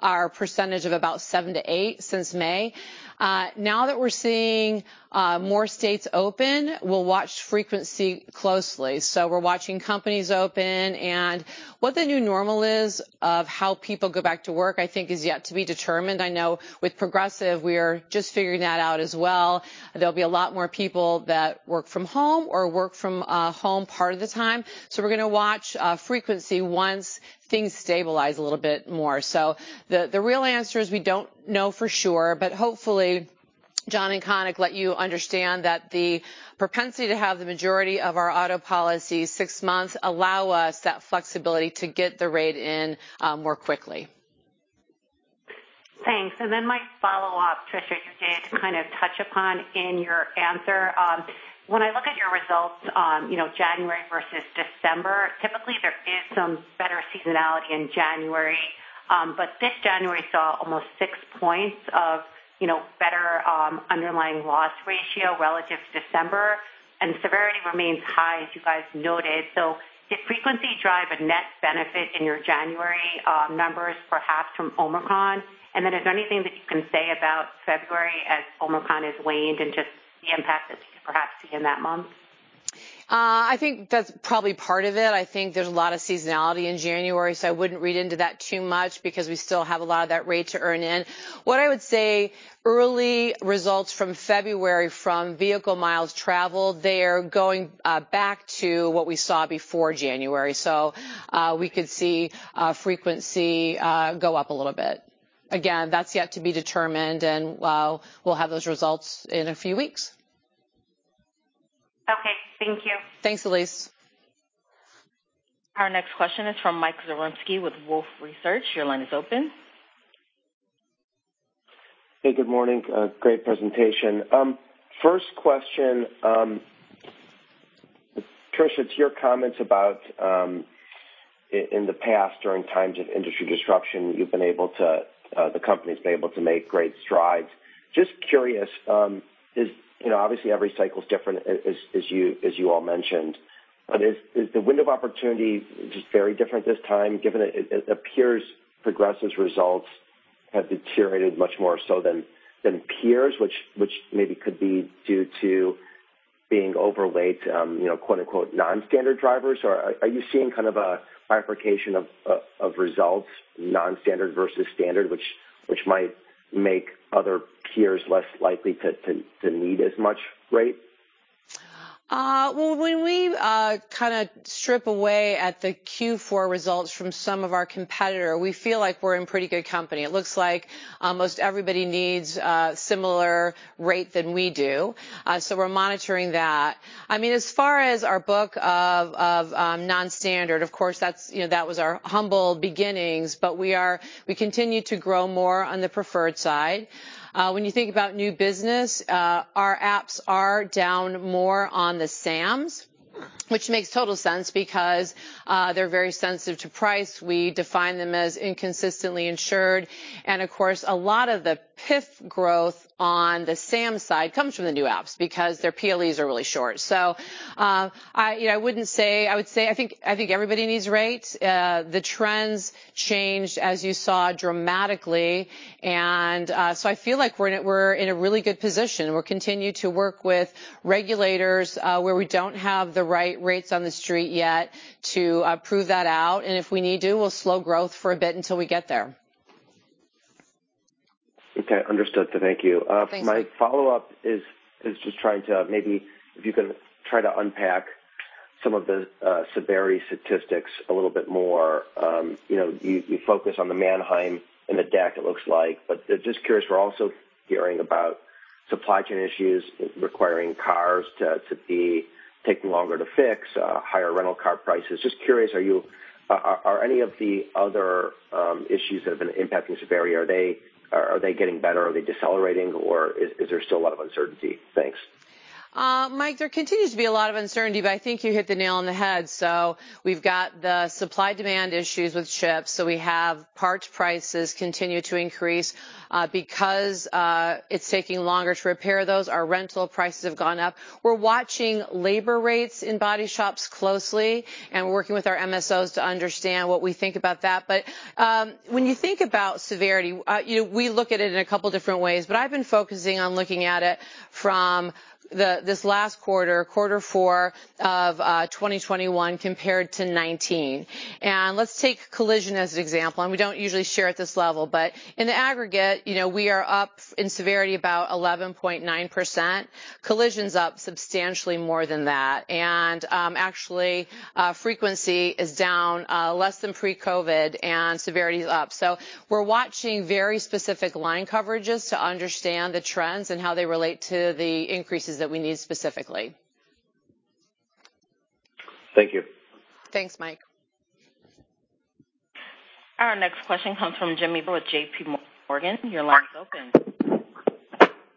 our percentage of about 7%-8% since May. Now that we're seeing more states open, we'll watch frequency closely. We're watching companies open. What the new normal is of how people go back to work, I think is yet to be determined. I know with Progressive, we are just figuring that out as well. There'll be a lot more people that work from home or work from home part of the time. We're gonna watch frequency once things stabilize a little bit more. The real answer is we don't know for sure, but hopefully, John and Kanik let you understand that the propensity to have the majority of our auto policies six months allow us that flexibility to get the rate in more quickly. Thanks. Then my follow-up, Tricia, you did kind of touch upon in your answer. When I look at your results on, you know, January versus December, typically there is some better seasonality in January. But this January saw almost 6 points of, you know, better underlying loss ratio relative to December and severity remains high as you guys noted. Did frequency drive a net benefit in your January numbers perhaps from Omicron? Then is there anything that you can say about February as Omicron has waned and just the impact that you perhaps see in that month? I think that's probably part of it. I think there's a lot of seasonality in January, so I wouldn't read into that too much because we still have a lot of that rate to earn in. What I would say, early results from February from Vehicle Miles Traveled, they are going back to what we saw before January. So, we could see frequency go up a little bit. Again, that's yet to be determined and we'll have those results in a few weeks. Okay, thank you. Thanks, Elyse. Our next question is from Mike Zaremski with Wolfe Research. Your line is open. Hey, good morning. A great presentation. First question, Tricia, to your comments about in the past during times of industry disruption, you've been able to, the company's been able to make great strides. Just curious, you know, obviously every cycle is different as you all mentioned. But is the window of opportunity just very different this time, given it appears Progressive's results have deteriorated much more so than peers which maybe could be due to being overweight, you know, quote-unquote, "non-standard drivers." Or are you seeing kind of a bifurcation of results, non-standard versus standard, which might make other peers less likely to need as much rate? Well, when we kind of strip away at the Q4 results from some of our competitor, we feel like we're in pretty good company. It looks like almost everybody needs a similar rate than we do. So we're monitoring that. I mean, as far as our book of non-standard, of course, that's you know, that was our humble beginnings, but we continue to grow more on the preferred side. When you think about new business, our apps are down more on the SAMs, which makes total sense because they're very sensitive to price. We define them as inconsistently insured. Of course, a lot of the PIF growth on the SAM side comes from the new apps because their PLEs are really short. I you know, I wouldn't say. I would say, I think everybody needs rates. The trends changed, as you saw, dramatically. I feel like we're in a really good position. We'll continue to work with regulators, where we don't have the right rates on the street yet to prove that out. If we need to, we'll slow growth for a bit until we get there. Okay. Understood. Thank you. Thanks. My follow-up is just trying to maybe if you can try to unpack some of the severity statistics a little bit more. You know, you focus on the Manheim in the deck it looks like. Just curious, we're also hearing about supply chain issues requiring cars to be taking longer to fix, higher rental car prices. Just curious, are any of the other issues that have been impacting severity, are they getting better? Are they decelerating, or is there still a lot of uncertainty? Thanks. Mike, there continues to be a lot of uncertainty, but I think you hit the nail on the head. We've got the supply demand issues with chips. We have parts prices continue to increase, because it's taking longer to repair those. Our rental prices have gone up. We're watching labor rates in body shops closely, and we're working with our MSOs to understand what we think about that. When you think about severity, you know, we look at it in a couple different ways, but I've been focusing on looking at it from this last quarter, quarter four of 2021 compared to 2019. Let's take collision as an example. We don't usually share at this level, but in the aggregate, you know, we are up in severity about 11.9%. Collision's up substantially more than that. Frequency is down less than pre-COVID, and severity is up. We're watching very specific line coverages to understand the trends and how they relate to the increases that we need specifically. Thank you. Thanks, Mike. Our next question comes from Jimmy Bhullar with JPMorgan. Your line is open.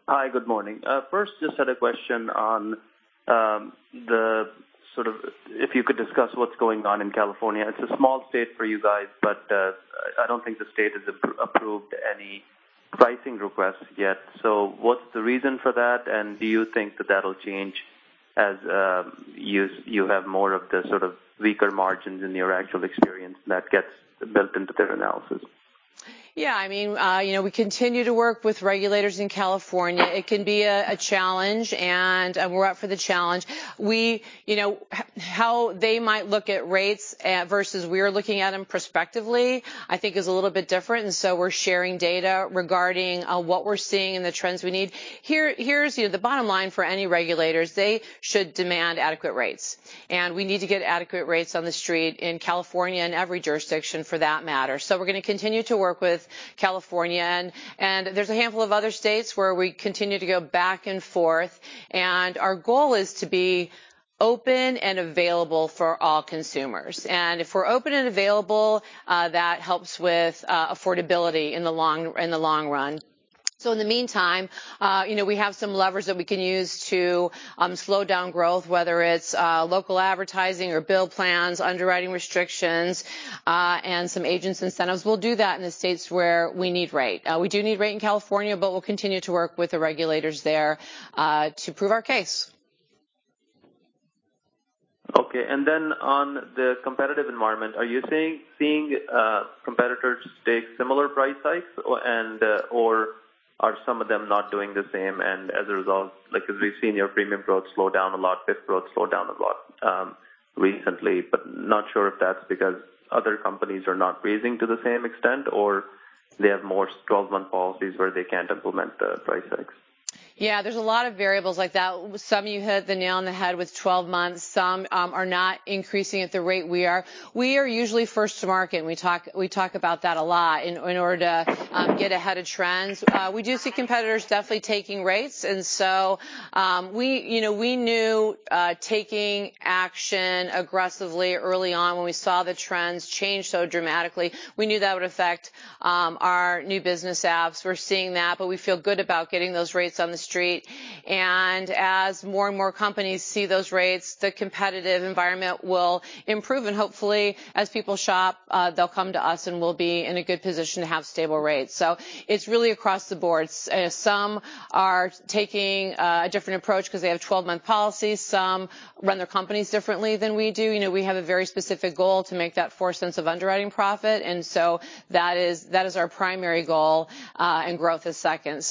Hi. Good morning. First, just had a question on if you could discuss what's going on in California. It's a small state for you guys, but I don't think the state has approved any pricing requests yet. What's the reason for that? And do you think that that'll change as you have more of the sort of weaker margins in your actual experience that gets built into their analysis? Yeah. I mean, you know, we continue to work with regulators in California. It can be a challenge, and we're up for the challenge. You know, how they might look at rates versus we're looking at them prospectively, I think is a little bit different. We're sharing data regarding what we're seeing and the trends we need. Here is, you know, the bottom line for any regulators. They should demand adequate rates, and we need to get adequate rates on the street in California and every jurisdiction for that matter. We're gonna continue to work with California. There's a handful of other states where we continue to go back and forth. Our goal is to be open and available for all consumers. If we're open and available, that helps with affordability in the long run. In the meantime, you know, we have some levers that we can use to slow down growth, whether it's local advertising or bill plans, underwriting restrictions, and some agents' incentives. We'll do that in the states where we need rate. We do need rate in California, but we'll continue to work with the regulators there to prove our case. Okay. On the competitive environment, are you seeing competitors take similar price hikes or are some of them not doing the same and as a result, like, 'cause we've seen your premium growth slow down a lot, PIF growth slow down a lot, recently, but not sure if that's because other companies are not raising to the same extent or they have more 12-month policies where they can't implement the price hikes? Yeah. There's a lot of variables like that. Some of you hit the nail on the head with 12 months. Some are not increasing at the rate we are. We are usually first to market, and we talk about that a lot in order to get ahead of trends. We do see competitors definitely taking rates. We, you know, knew that taking action aggressively early on when we saw the trends change so dramatically would affect our new business apps. We're seeing that, but we feel good about getting those rates on the street. As more and more companies see those rates, the competitive environment will improve. Hopefully, as people shop, they'll come to us and we'll be in a good position to have stable rates. It's really across the board. Some are taking a different approach 'cause they have 12-month policies. Some run their companies differently than we do. You know, we have a very specific goal to make that $0.04 of underwriting profit, and so that is our primary goal, and growth is second.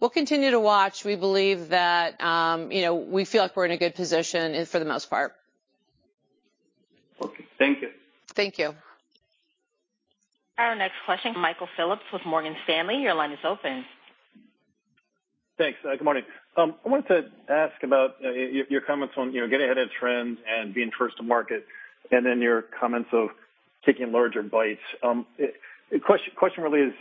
We'll continue to watch. We believe that, you know, we feel like we're in a good position and for the most part. Okay. Thank you. Thank you. Our next question, Michael Phillips with Morgan Stanley. Your line is open. Thanks. Good morning. I wanted to ask about your comments on, you know, getting ahead of trends and being first to market, and then your comments of taking larger bites. The question really is,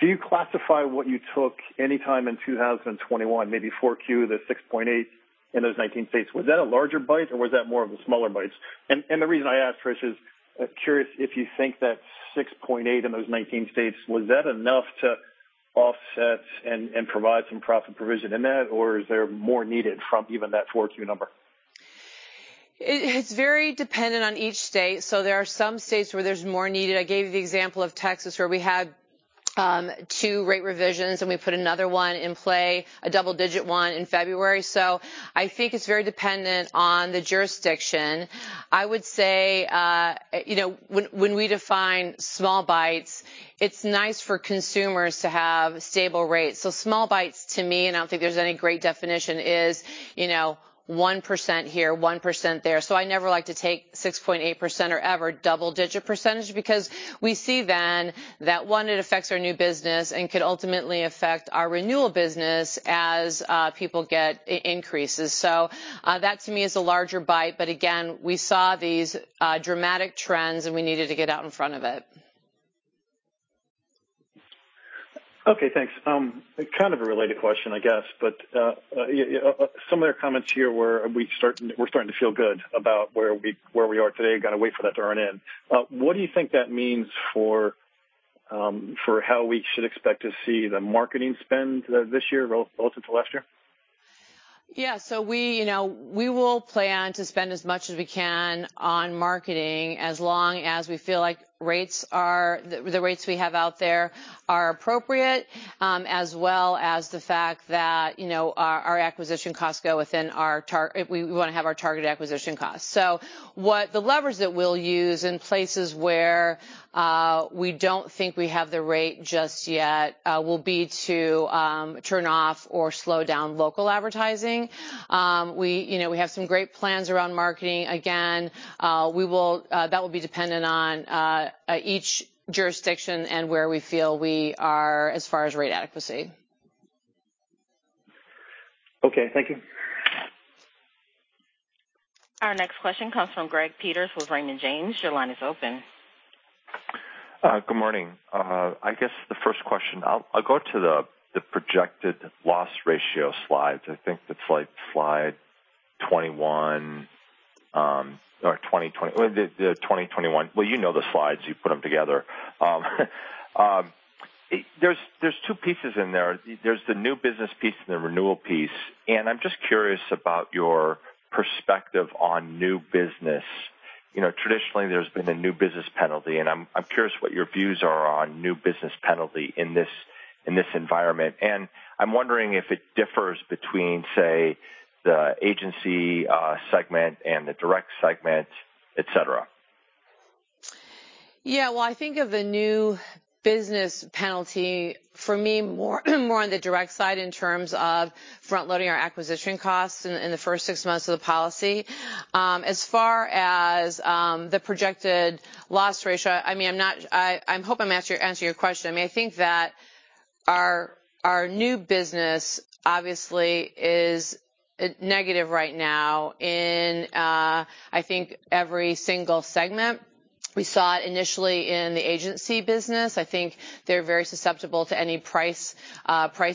do you classify what you took anytime in 2021, maybe Q4, the 6.8% in those 19 states, was that a larger bite or was that more of a smaller bites? The reason I ask, Trish, is I'm curious if you think that 6.8% in those 19 states, was that enough to offset and provide some profit provision in that, or is there more needed from even that 4Q number? It's very dependent on each state. There are some states where there's more needed. I gave you the example of Texas, where we had two rate revisions, and we put another one in play, a double-digit one in February. I think it's very dependent on the jurisdiction. I would say, you know, when we define small bites, it's nice for consumers to have stable rates. Small bites to me, and I don't think there's any great definition, is, you know, 1% here, 1% there. I never like to take 6.8% or ever double-digit percentage because we see then that, one, it affects our new business and could ultimately affect our renewal business as people get increases. That to me is a larger bite. Again, we saw these dramatic trends, and we needed to get out in front of it. Okay, thanks. Kind of a related question, I guess. Yeah, some of your comments here. We're starting to feel good about where we are today. Gotta wait for that to earn in. What do you think that means for how we should expect to see the marketing spend this year relative to last year? We, you know, will plan to spend as much as we can on marketing as long as we feel like the rates we have out there are appropriate, as well as the fact that, you know, we wanna have our target acquisition costs. The levers that we'll use in places where we don't think we have the rate just yet will be to turn off or slow down local advertising. You know, we have some great plans around marketing. Again, that will be dependent on each jurisdiction and where we feel we are as far as rate adequacy. Okay, thank you. Our next question comes from Greg Peters with Raymond James. Your line is open. Good morning. I guess the first question, I'll go to the projected loss ratio slides. I think that's like slide 21, or 20... the 2021. Well, you know the slides. You put them together. There's two pieces in there. There's the new business piece and the renewal piece. I'm just curious about your perspective on new business. You know, traditionally, there's been a new business penalty, and I'm curious what your views are on new business penalty in this environment. I'm wondering if it differs between, say, the agency segment and the direct segment, et cetera. Yeah. Well, I think of the new business penalty for me, more on the direct side in terms of front-loading our acquisition costs in the first six months of the policy. As far as the projected loss ratio, I mean, I'm hoping I'm answering your question. I mean, I think that our new business obviously is negative right now in I think every single segment. We saw it initially in the agency business. I think they're very susceptible to any price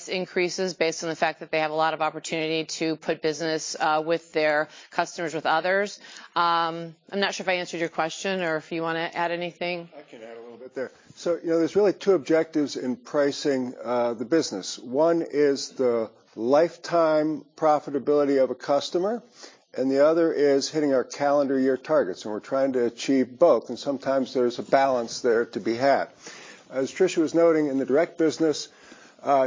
increases based on the fact that they have a lot of opportunity to put business with their customers, with others. I'm not sure if I answered your question or if you wanna add anything. I can add a little bit there. You know, there's really two objectives in pricing, the business. One is the lifetime profitability of a customer, and the other is hitting our calendar year targets, and we're trying to achieve both, and sometimes there's a balance there to be had. As Tricia was noting, in the direct business,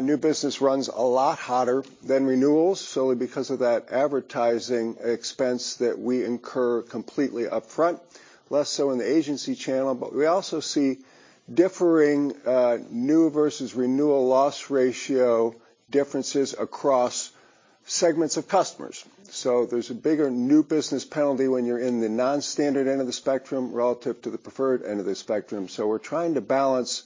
new business runs a lot hotter than renewals solely because of that advertising expense that we incur completely upfront, less so in the agency channel. We also see differing, new versus renewal loss ratio differences across segments of customers. There's a bigger new business penalty when you're in the non-standard end of the spectrum relative to the preferred end of the spectrum. We're trying to balance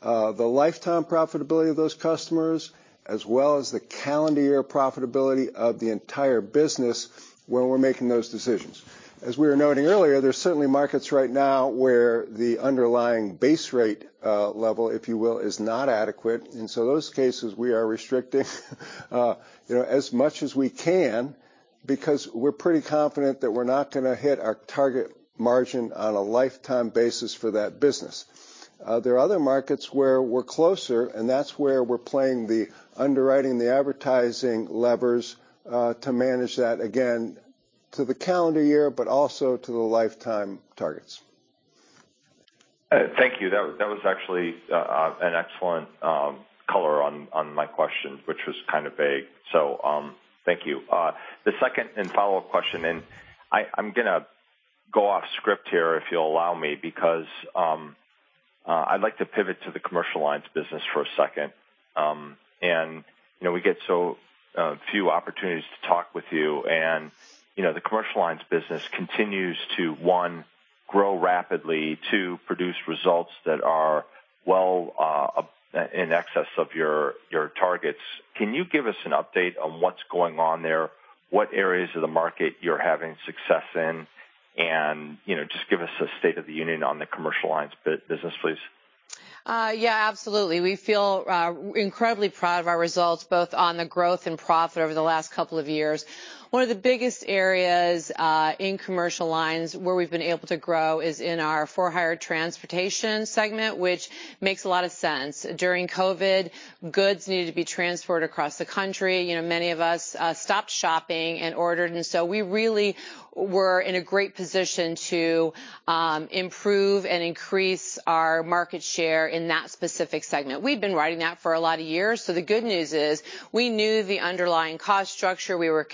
the lifetime profitability of those customers as well as the calendar year profitability of the entire business when we're making those decisions. As we were noting earlier, there's certainly markets right now where the underlying base rate level, if you will, is not adequate, and so those cases we are restricting you know, as much as we can because we're pretty confident that we're not gonna hit our target margin on a lifetime basis for that business. There are other markets where we're closer, and that's where we're playing the underwriting, the advertising levers to manage that, again, to the calendar year, but also to the lifetime targets. Thank you. That was actually an excellent color on my question, which was kind of vague. Thank you. The second and follow-up question, and I'm gonna go off script here, if you'll allow me, because I'd like to pivot to the commercial lines business for a second. You know, we get so few opportunities to talk with you and, you know, the commercial lines business continues to, one, grow rapidly, two, produce results that are well in excess of your targets. Can you give us an update on what's going on there? What areas of the market you're having success in? You know, just give us a state of the union on the commercial lines business, please. Yeah, absolutely. We feel incredibly proud of our results, both on the growth and profit over the last couple of years. One of the biggest areas in commercial lines where we've been able to grow is in our for-hire transportation segment, which makes a lot of sense. During COVID, goods needed to be transported across the country. You know, many of us stopped shopping and ordered, and so we really were in a great position to improve and increase our market share in that specific segment. We've been writing that for a lot of years, so the good news is we knew the underlying cost structure. We were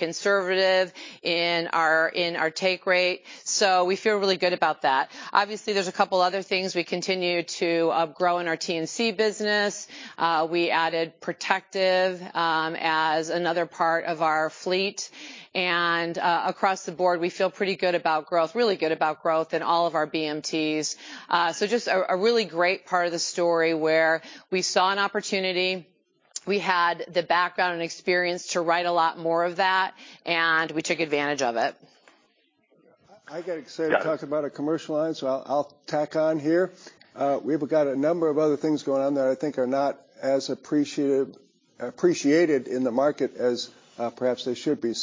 conservative in our take rate. So we feel really good about that. Obviously, there's a couple other things. We continue to grow in our TNC business. We added Protective as another part of our fleet. Across the board, we feel pretty good about growth, really good about growth in all of our BMTs. Just a really great part of the story where we saw an opportunity, we had the background and experience to write a lot more of that, and we took advantage of it. I get excited. Yeah. To talk about our commercial lines, I'll tack on here. We've got a number of other things going on that I think are not as appreciated in the market as perhaps they should be.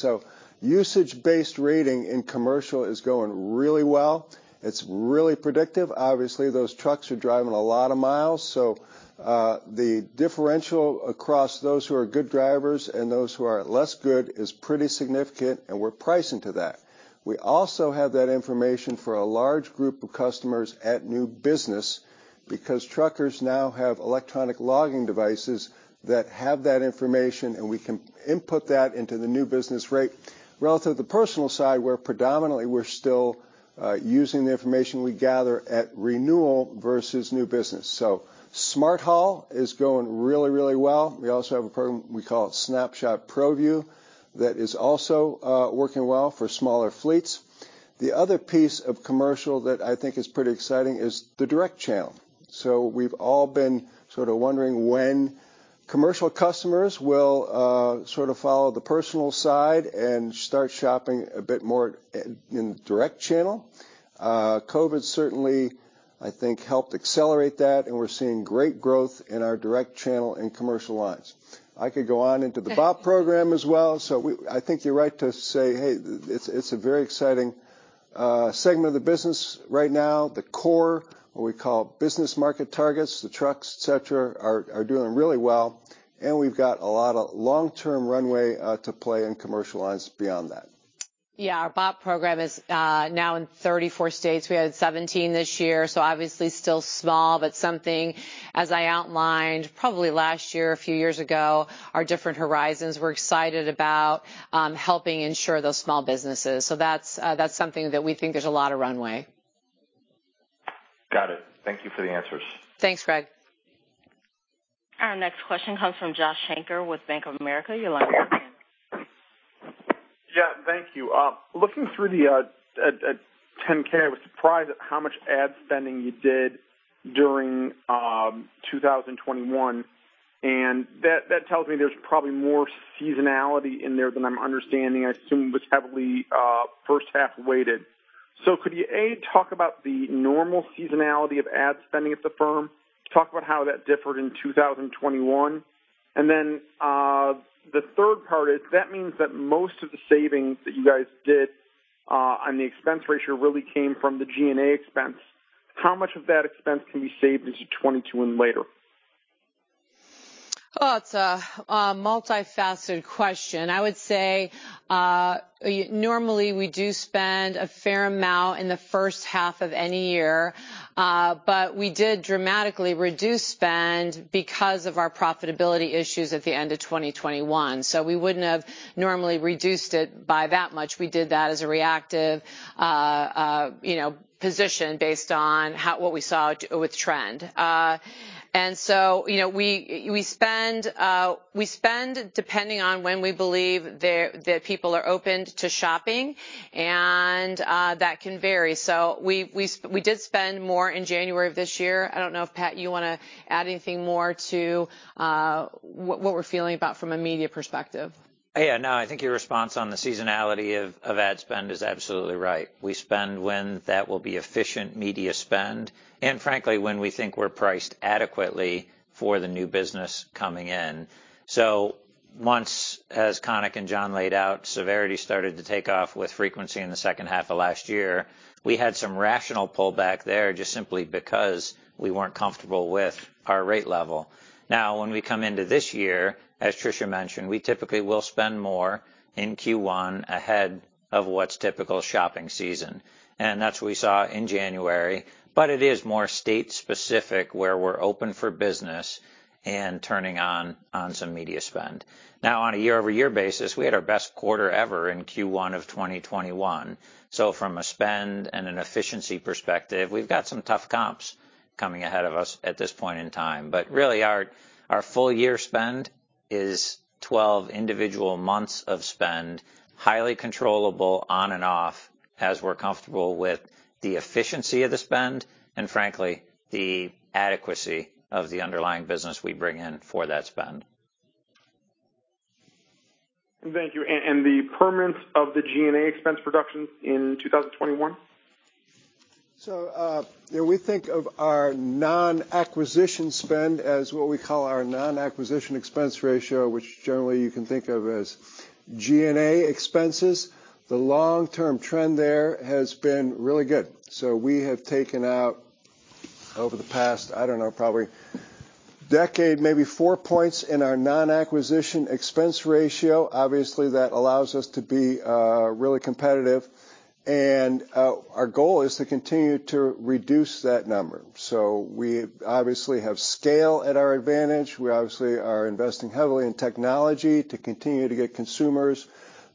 Usage-based rating in commercial is going really well. It's really predictive. Obviously, those trucks are driving a lot of miles, so the differential across those who are good drivers and those who are less good is pretty significant, and we're pricing to that. We also have that information for a large group of customers at new business because truckers now have Electronic Logging Devices that have that information, and we can input that into the new business rate. Relative to the personal side, where predominantly we're still using the information we gather at renewal versus new business. Smart Haul is going really, really well. We also have a program, we call it Snapshot ProView, that is also working well for smaller fleets. The other piece of commercial that I think is pretty exciting is the direct channel. We've all been sort of wondering when commercial customers will sort of follow the personal side and start shopping a bit more in the direct channel. COVID certainly, I think, helped accelerate that, and we're seeing great growth in our direct channel in commercial lines. I could go on into the BOP program as well. I think you're right to say, hey, it's a very exciting segment of the business right now. The core, what we call Business Market Targets, the trucks, et cetera, are doing really well, and we've got a lot of long-term runway to play in commercial lines beyond that. Yeah. Our BOP program is now in 34 states. We added 17 this year, so obviously still small, but something as I outlined probably last year, a few years ago, our different horizons. We're excited about helping insure those small businesses. That's something that we think there's a lot of runway. Got it. Thank you for the answers. Thanks, Greg. Our next question comes from Joshua Shanker with Bank of America. Your line is open. Yeah. Thank you. Looking through the 10-K, I was surprised at how much ad spending you did during 2021, and that tells me there's probably more seasonality in there than I'm understanding. I assume it was heavily first half weighted. Could you, A, talk about the normal seasonality of ad spending at the firm, talk about how that differed in 2021, and then the third part is that means that most of the savings that you guys did on the expense ratio really came from the G&A expense. How much of that expense can be saved into 2022 and later? Well, it's a multifaceted question. I would say, normally, we do spend a fair amount in the first half of any year, but we did dramatically reduce spend because of our profitability issues at the end of 2021. We wouldn't have normally reduced it by that much. We did that as a reactive, you know, position based on what we saw with trend. You know, we spend depending on when we believe the people are open to shopping, and that can vary. We did spend more in January of this year. I don't know if, Pat, you wanna add anything more to what we're feeling about from a media perspective. Yeah, no, I think your response on the seasonality of ad spend is absolutely right. We spend when that will be efficient media spend, and frankly, when we think we're priced adequately for the new business coming in. Once, as Kanik and John laid out, severity started to take off with frequency in the second half of last year, we had some rational pullback there just simply because we weren't comfortable with our rate level. Now, when we come into this year, as Tricia mentioned, we typically will spend more in Q1 ahead of what's typical shopping season, and that's what we saw in January. It is more state specific, where we're open for business and turning on some media spend. Now, on a year-over-year basis, we had our best quarter ever in Q1 of 2021. From a spend and an efficiency perspective, we've got some tough comps coming ahead of us at this point in time. Really our full year spend is 12 individual months of spend, highly controllable on and off, as we're comfortable with the efficiency of the spend, and frankly, the adequacy of the underlying business we bring in for that spend. Thank you. The permanence of the G&A expense reductions in 2021? We think of our non-acquisition spend as what we call our non-acquisition expense ratio, which generally you can think of as G&A expenses. The long-term trend there has been really good. We have taken out, over the past, I don't know, probably decade, maybe 4 points in our non-acquisition expense ratio. Obviously, that allows us to be really competitive, and our goal is to continue to reduce that number. We obviously have scale at our advantage. We obviously are investing heavily in technology to continue to get consumers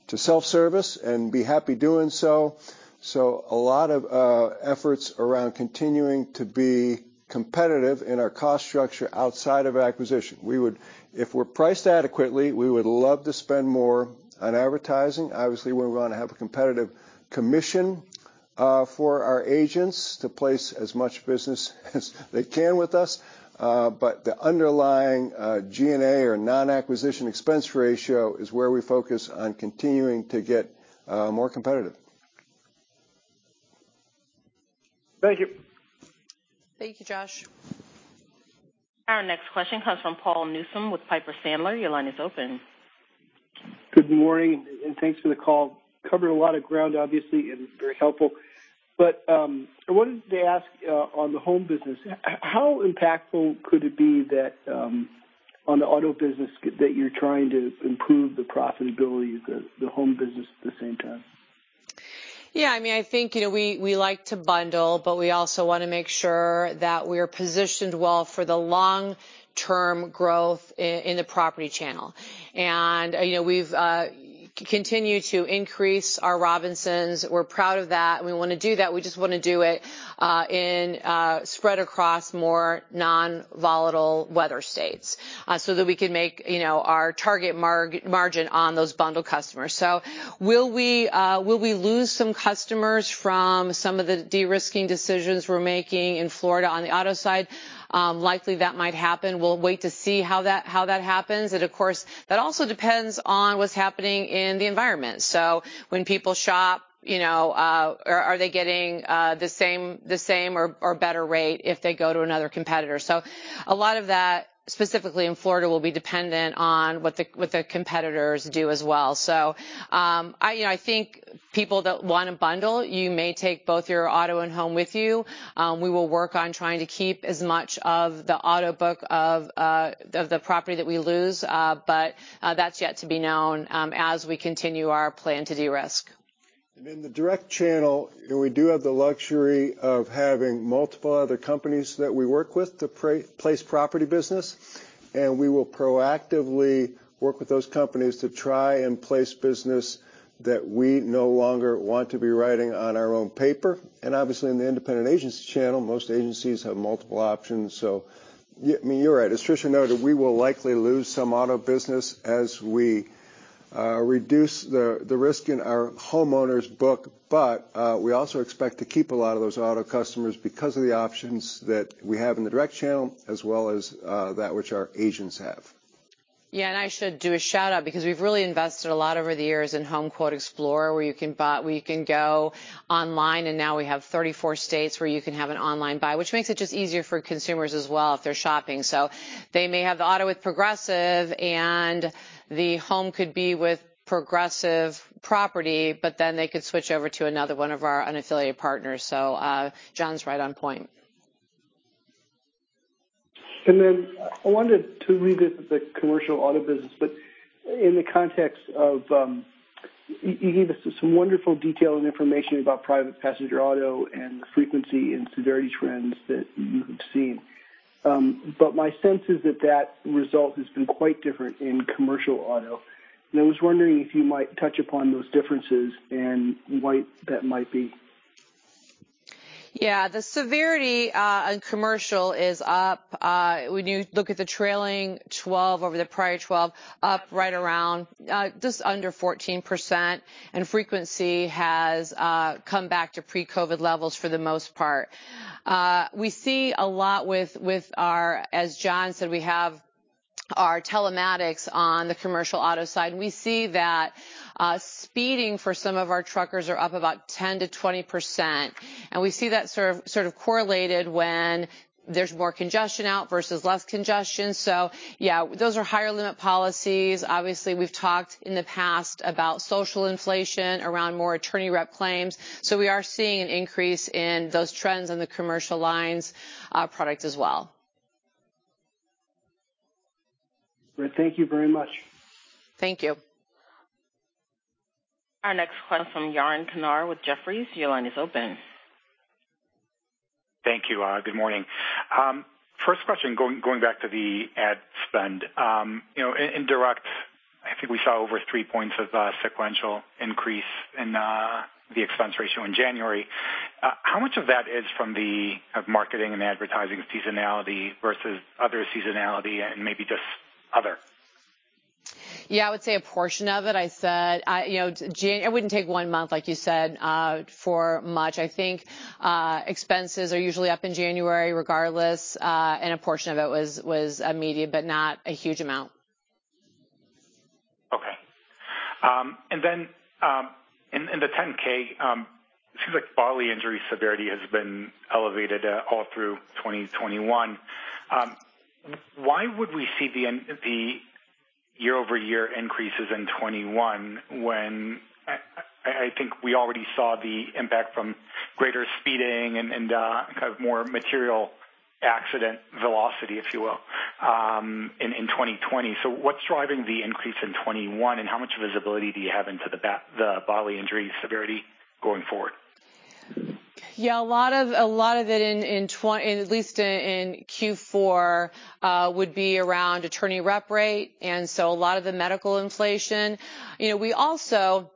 to self-service and be happy doing so. A lot of efforts around continuing to be competitive in our cost structure outside of acquisition. We would. If we're priced adequately, we would love to spend more on advertising. Obviously, we want to have a competitive commission for our agents to place as much business as they can with us. The underlying G&A or non-acquisition expense ratio is where we focus on continuing to get more competitive. Thank you. Thank you, Josh. Our next question comes from Paul Newsome with Piper Sandler. Your line is open. Good morning, and thanks for the call. Covered a lot of ground, obviously, and very helpful. I wanted to ask on the home business how impactful could it be that on the auto business that you're trying to improve the profitability of the home business at the same time? Yeah, I mean, I think, you know, we like to bundle, but we also want to make sure that we're positioned well for the long-term growth in the property channel. You know, we've continued to increase our Robinsons. We're proud of that, and we want to do that. We just want to do it in spread across more non-volatile weather states, so that we can make, you know, our target margin on those bundled customers. Will we lose some customers from some of the de-risking decisions we're making in Florida on the auto side? Likely that might happen. We'll wait to see how that happens. Of course, that also depends on what's happening in the environment. When people shop, are they getting the same or better rate if they go to another competitor? A lot of that, specifically in Florida, will be dependent on what the competitors do as well. I think people that want to bundle, you may take both your auto and home with you. We will work on trying to keep as much of the auto book of the property that we lose, but that's yet to be known as we continue our plan to de-risk. In the direct channel, you know, we do have the luxury of having multiple other companies that we work with to place property business, and we will proactively work with those companies to try and place business that we no longer want to be writing on our own paper. Obviously, in the independent agency channel, most agencies have multiple options. I mean, you're right. As Tricia noted, we will likely lose some auto business as we reduce the risk in our homeowners book, but we also expect to keep a lot of those auto customers because of the options that we have in the direct channel as well as that which our agents have. Yeah, I should do a shout-out because we've really invested a lot over the years in HomeQuote Explorer, where you can go online, and now we have 34 states where you can have an online buy, which makes it just easier for consumers as well if they're shopping. They may have the auto with Progressive and the home could be with Progressive Property, but then they could switch over to another one of our unaffiliated partners. John's right on point. I wanted to leave this with the commercial auto business, but in the context of, you gave us some wonderful detail and information about private passenger auto and frequency into various trends that you have seen. My sense is that result has been quite different in commercial auto, and I was wondering if you might touch upon those differences and why that might be. Yeah. The severity on commercial is up. When you look at the trailing 12 over the prior 12 up right around just under 14%, and frequency has come back to pre-COVID levels for the most part. We see a lot with our... As John said, we have our telematics on the commercial auto side. We see that speeding for some of our truckers are up about 10%-20%, and we see that sort of correlated when there's more congestion out versus less congestion. Yeah, those are higher limit policies. Obviously, we've talked in the past about social inflation around more attorney rep claims, so we are seeing an increase in those trends in the commercial lines product as well. Great, thank you very much. Thank you. Our next question from Yaron Kinar with Jefferies. Your line is open. Thank you. Good morning. First question, going back to the ad spend. You know, in Direct, I think we saw over 3 points of sequential increase in the expense ratio in January. How much of that is from the marketing and advertising seasonality versus other seasonality and maybe just other? Yeah, I would say a portion of it. I said, you know, in January it wouldn't take one month, like you said, for much. I think expenses are usually up in January regardless. A portion of it was immediate, but not a huge amount. Okay. And then, in the 10-K, seems like bodily injury severity has been elevated all through 2021. Why would we see the year-over-year increases in 2021 when I think we already saw the impact from greater speeding and kind of more material accident velocity, if you will, in 2020. So what's driving the increase in 2021, and how much visibility do you have into the bodily injury severity going forward? Yeah. A lot of it at least in Q4 would be around attorney rep rate, and so a lot of the medical inflation. You know, we also,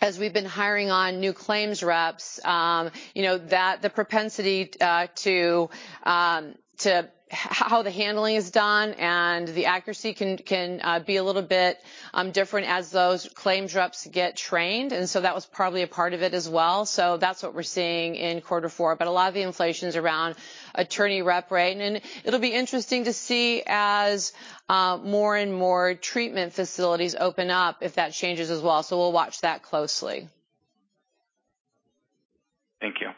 as we've been hiring on new claims reps, that the propensity to how the handling is done and the accuracy can be a little bit different as those claims reps get trained, and so that was probably a part of it as well. That's what we're seeing in quarter four. A lot of the inflation's around attorney rep rate. It'll be interesting to see as more and more treatment facilities open up if that changes as well. We'll watch that closely. Thank you.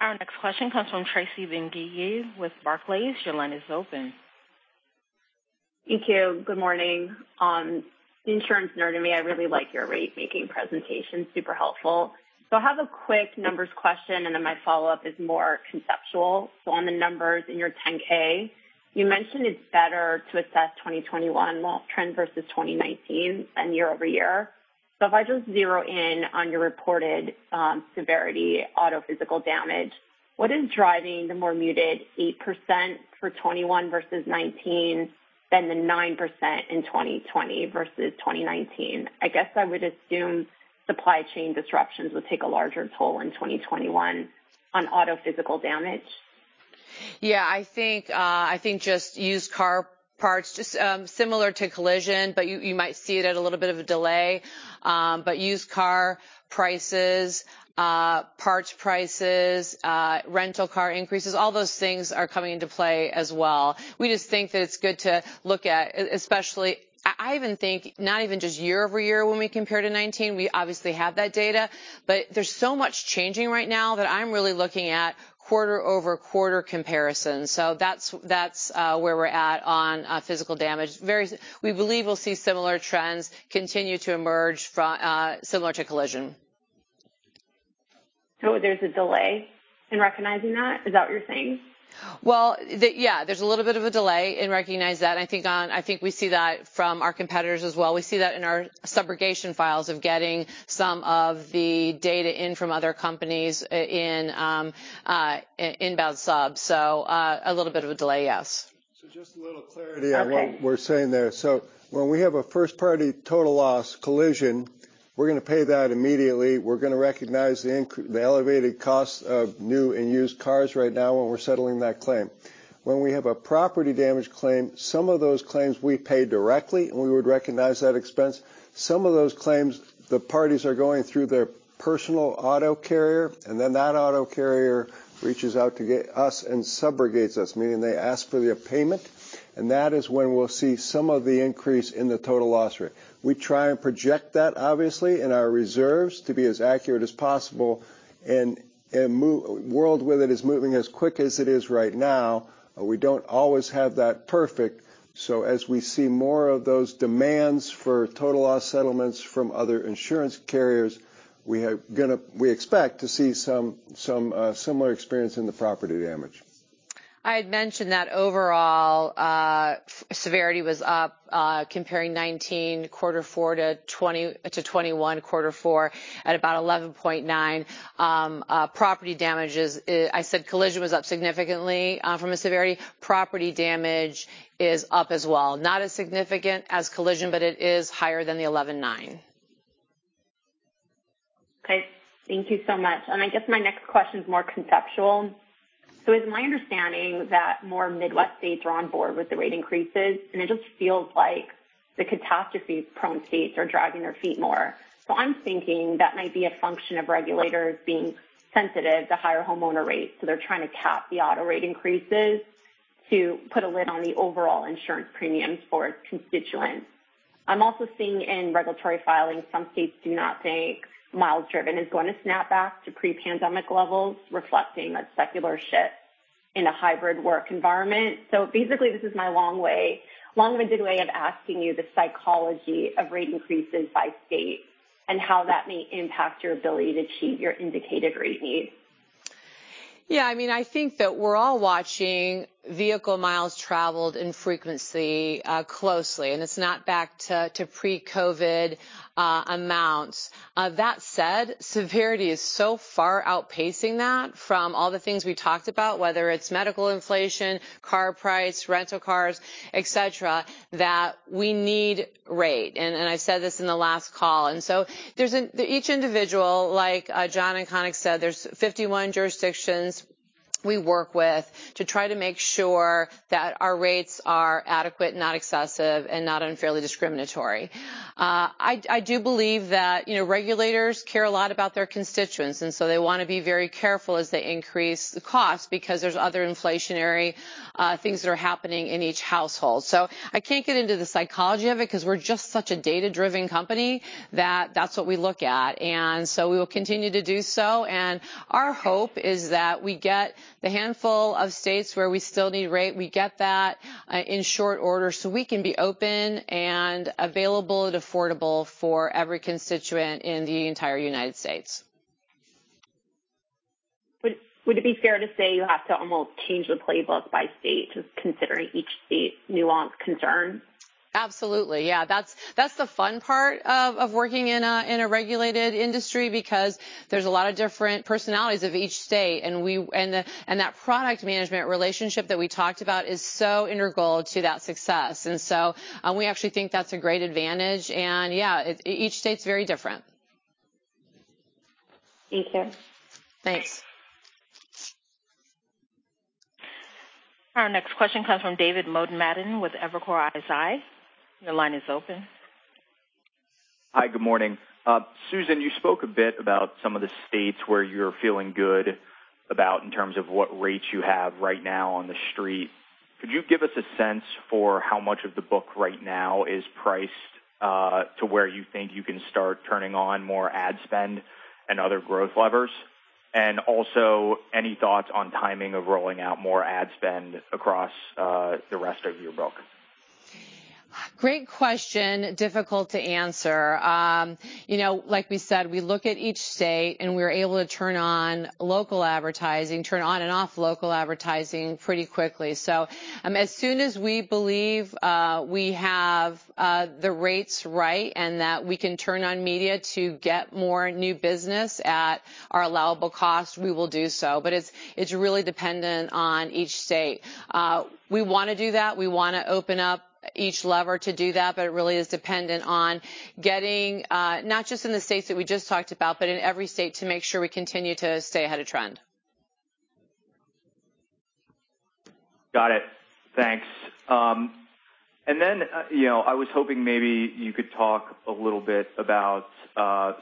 Our next question comes from Tracy Benguigui with Barclays. Your line is open. Thank you. Good morning. Insurance nerd in me, I really like your rate making presentation. Super helpful. I have a quick numbers question, and then my follow-up is more conceptual. On the numbers in your 10-K, you mentioned it's better to assess 2021 trend versus 2019 than year-over-year. If I just zero in on your reported severity, auto physical damage, what is driving the more muted 8% for 2021 versus 2019 than the 9% in 2020 versus 2019? I guess I would assume supply chain disruptions would take a larger toll in 2021 on auto physical damage. I think just used car parts, just similar to collision, but you might see it at a little bit of a delay. But used car prices, parts prices, rental car increases, all those things are coming into play as well. We just think that it's good to look at, especially. I even think not even just year-over-year when we compare to 2019. We obviously have that data, but there's so much changing right now that I'm really looking at quarter-over-quarter comparisons. So that's where we're at on physical damage. We believe we'll see similar trends continue to emerge from similar to collision. There's a delay in recognizing that? Is that what you're saying? Well, yeah, there's a little bit of a delay in recognizing that, and I think we see that from our competitors as well. We see that in our subrogation files of getting some of the data in from other companies in inbound sub. A little bit of a delay, yes. Just a little clarity. Okay. on what we're saying there. When we have a first party total loss collision, we're gonna pay that immediately. We're gonna recognize the elevated cost of new and used cars right now when we're settling that claim. When we have a property damage claim, some of those claims we pay directly, and we would recognize that expense. Some of those claims, the parties are going through their personal auto carrier, and then that auto carrier reaches out to us and subrogates us, meaning they ask for their payment. That is when we'll see some of the increase in the total loss rate. We try and project that obviously in our reserves to be as accurate as possible. The world with it is moving as quick as it is right now, we don't always have that perfect. As we see more of those demands for total loss settlements from other insurance carriers, we expect to see some similar experience in the property damage. I had mentioned that overall, severity was up, comparing 2019 quarter four to 2021 quarter four at about 11.9%. Property damages, I said collision was up significantly from a severity. Property damage is up as well. Not as significant as collision, but it is higher than the 11.9%. Okay. Thank you so much. I guess my next question is more conceptual. It's my understanding that more Midwest states are on board with the rate increases, and it just feels like the catastrophe-prone states are dragging their feet more. I'm thinking that might be a function of regulators being sensitive to higher homeowner rates, so they're trying to cap the auto rate increases to put a lid on the overall insurance premiums for its constituents. I'm also seeing in regulatory filings, some states do not think miles driven is going to snap back to pre-pandemic levels, reflecting a secular shift in a hybrid work environment. Basically, this is my long way, long-winded way of asking you the psychology of rate increases by state and how that may impact your ability to achieve your indicated rate needs. Yeah, I mean, I think that we're all watching vehicle miles traveled in frequency closely, and it's not back to pre-COVID amounts. That said, severity is so far outpacing that from all the things we talked about, whether it's medical inflation, car price, rental cars, et cetera, that we need rate. I said this in the last call. Each individual, like John and Kanik said, there's 51 jurisdictions we work with to try to make sure that our rates are adequate, not excessive, and not unfairly discriminatory. I do believe that, you know, regulators care a lot about their constituents, and they want to be very careful as they increase the cost because there's other inflationary things that are happening in each household. I can't get into the psychology of it because we're just such a data-driven company that that's what we look at. We will continue to do so, and our hope is that we get the handful of states where we still need rate. We get that, in short order, so we can be open and available and affordable for every constituent in the entire United States. Would it be fair to say you have to almost change the playbook by state, just considering each state's nuanced concern? Absolutely. Yeah. That's the fun part of working in a regulated industry because there's a lot of different personalities of each state. That product management relationship that we talked about is so integral to that success. We actually think that's a great advantage. Yeah, each state's very different. Thank you. Thanks. Our next question comes from David Motemaden with Evercore ISI. Your line is open. Hi. Good morning. Tricia, you spoke a bit about some of the states where you're feeling good about in terms of what rates you have right now on the street. Could you give us a sense for how much of the book right now is priced to where you think you can start turning on more ad spend and other growth levers? Also, any thoughts on timing of rolling out more ad spend across the rest of your book? Great question. Difficult to answer. You know, like we said, we look at each state, and we're able to turn on local advertising, turn on and off local advertising pretty quickly. So, as soon as we believe we have the rates right and that we can turn on media to get more new business at our allowable cost, we will do so. But it's really dependent on each state. We wanna do that. We wanna open up each lever to do that, but it really is dependent on getting not just in the states that we just talked about, but in every state to make sure we continue to stay ahead of trend. Got it. Thanks. And then, you know, I was hoping maybe you could talk a little bit about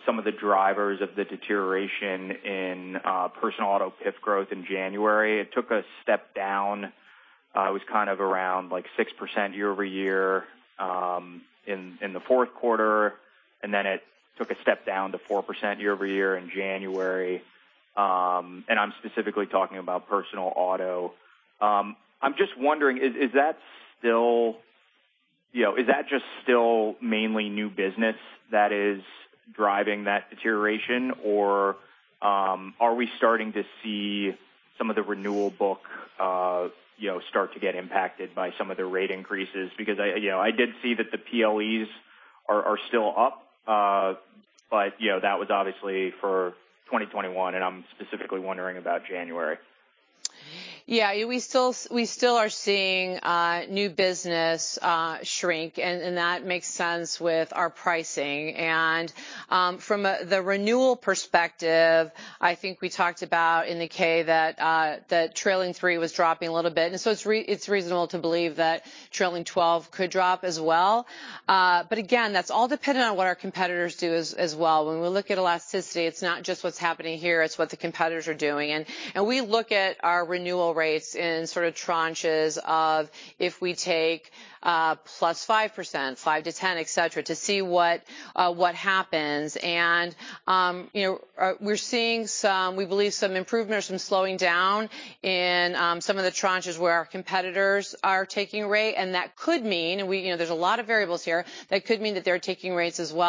some of the drivers of the deterioration in personal auto PIF growth in January. It took a step down. It was kind of around, like, 6% year-over-year in the fourth quarter, and then it took a step down to 4% year-over-year in January. And I'm specifically talking about personal auto. I'm just wondering, is that still mainly new business that is driving that deterioration? Or are we starting to see some of the renewal book, you know, start to get impacted by some of the rate increases? Because I, you know, I did see that the PLEs are still up. You know, that was obviously for 2021, and I'm specifically wondering about January. Yeah, we still are seeing new business shrink, and that makes sense with our pricing. From the renewal perspective, I think we talked about in the 10-K that trailing three was dropping a little bit. It's reasonable to believe that trailing 12 could drop as well. But again, that's all dependent on what our competitors do as well. When we look at elasticity, it's not just what's happening here, it's what the competitors are doing. We look at our renewal rates in sort of tranches of if we take 5%+, 5%-10%, et cetera, to see what happens. You know, we're seeing some we believe some improvement or some slowing down in some of the tranches where our competitors are taking rate. that could mean, you know, there's a lot of variables here, that could mean that they're taking rates as well.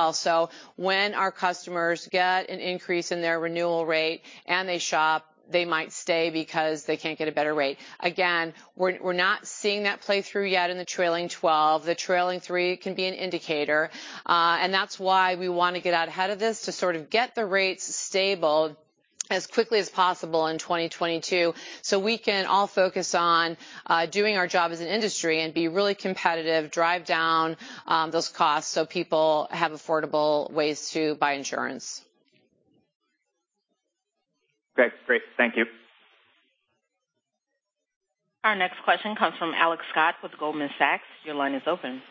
When our customers get an increase in their renewal rate and they shop, they might stay because they can't get a better rate. Again, we're not seeing that play through yet in the trailing 12. The trailing three can be an indicator. That's why we wanna get out ahead of this to sort of get the rates stable as quickly as possible in 2022, so we can all focus on doing our job as an industry and be really competitive, drive down those costs so people have affordable ways to buy insurance. Great. Thank you. Our next question comes from Alex Scott with Goldman Sachs. Your line is open.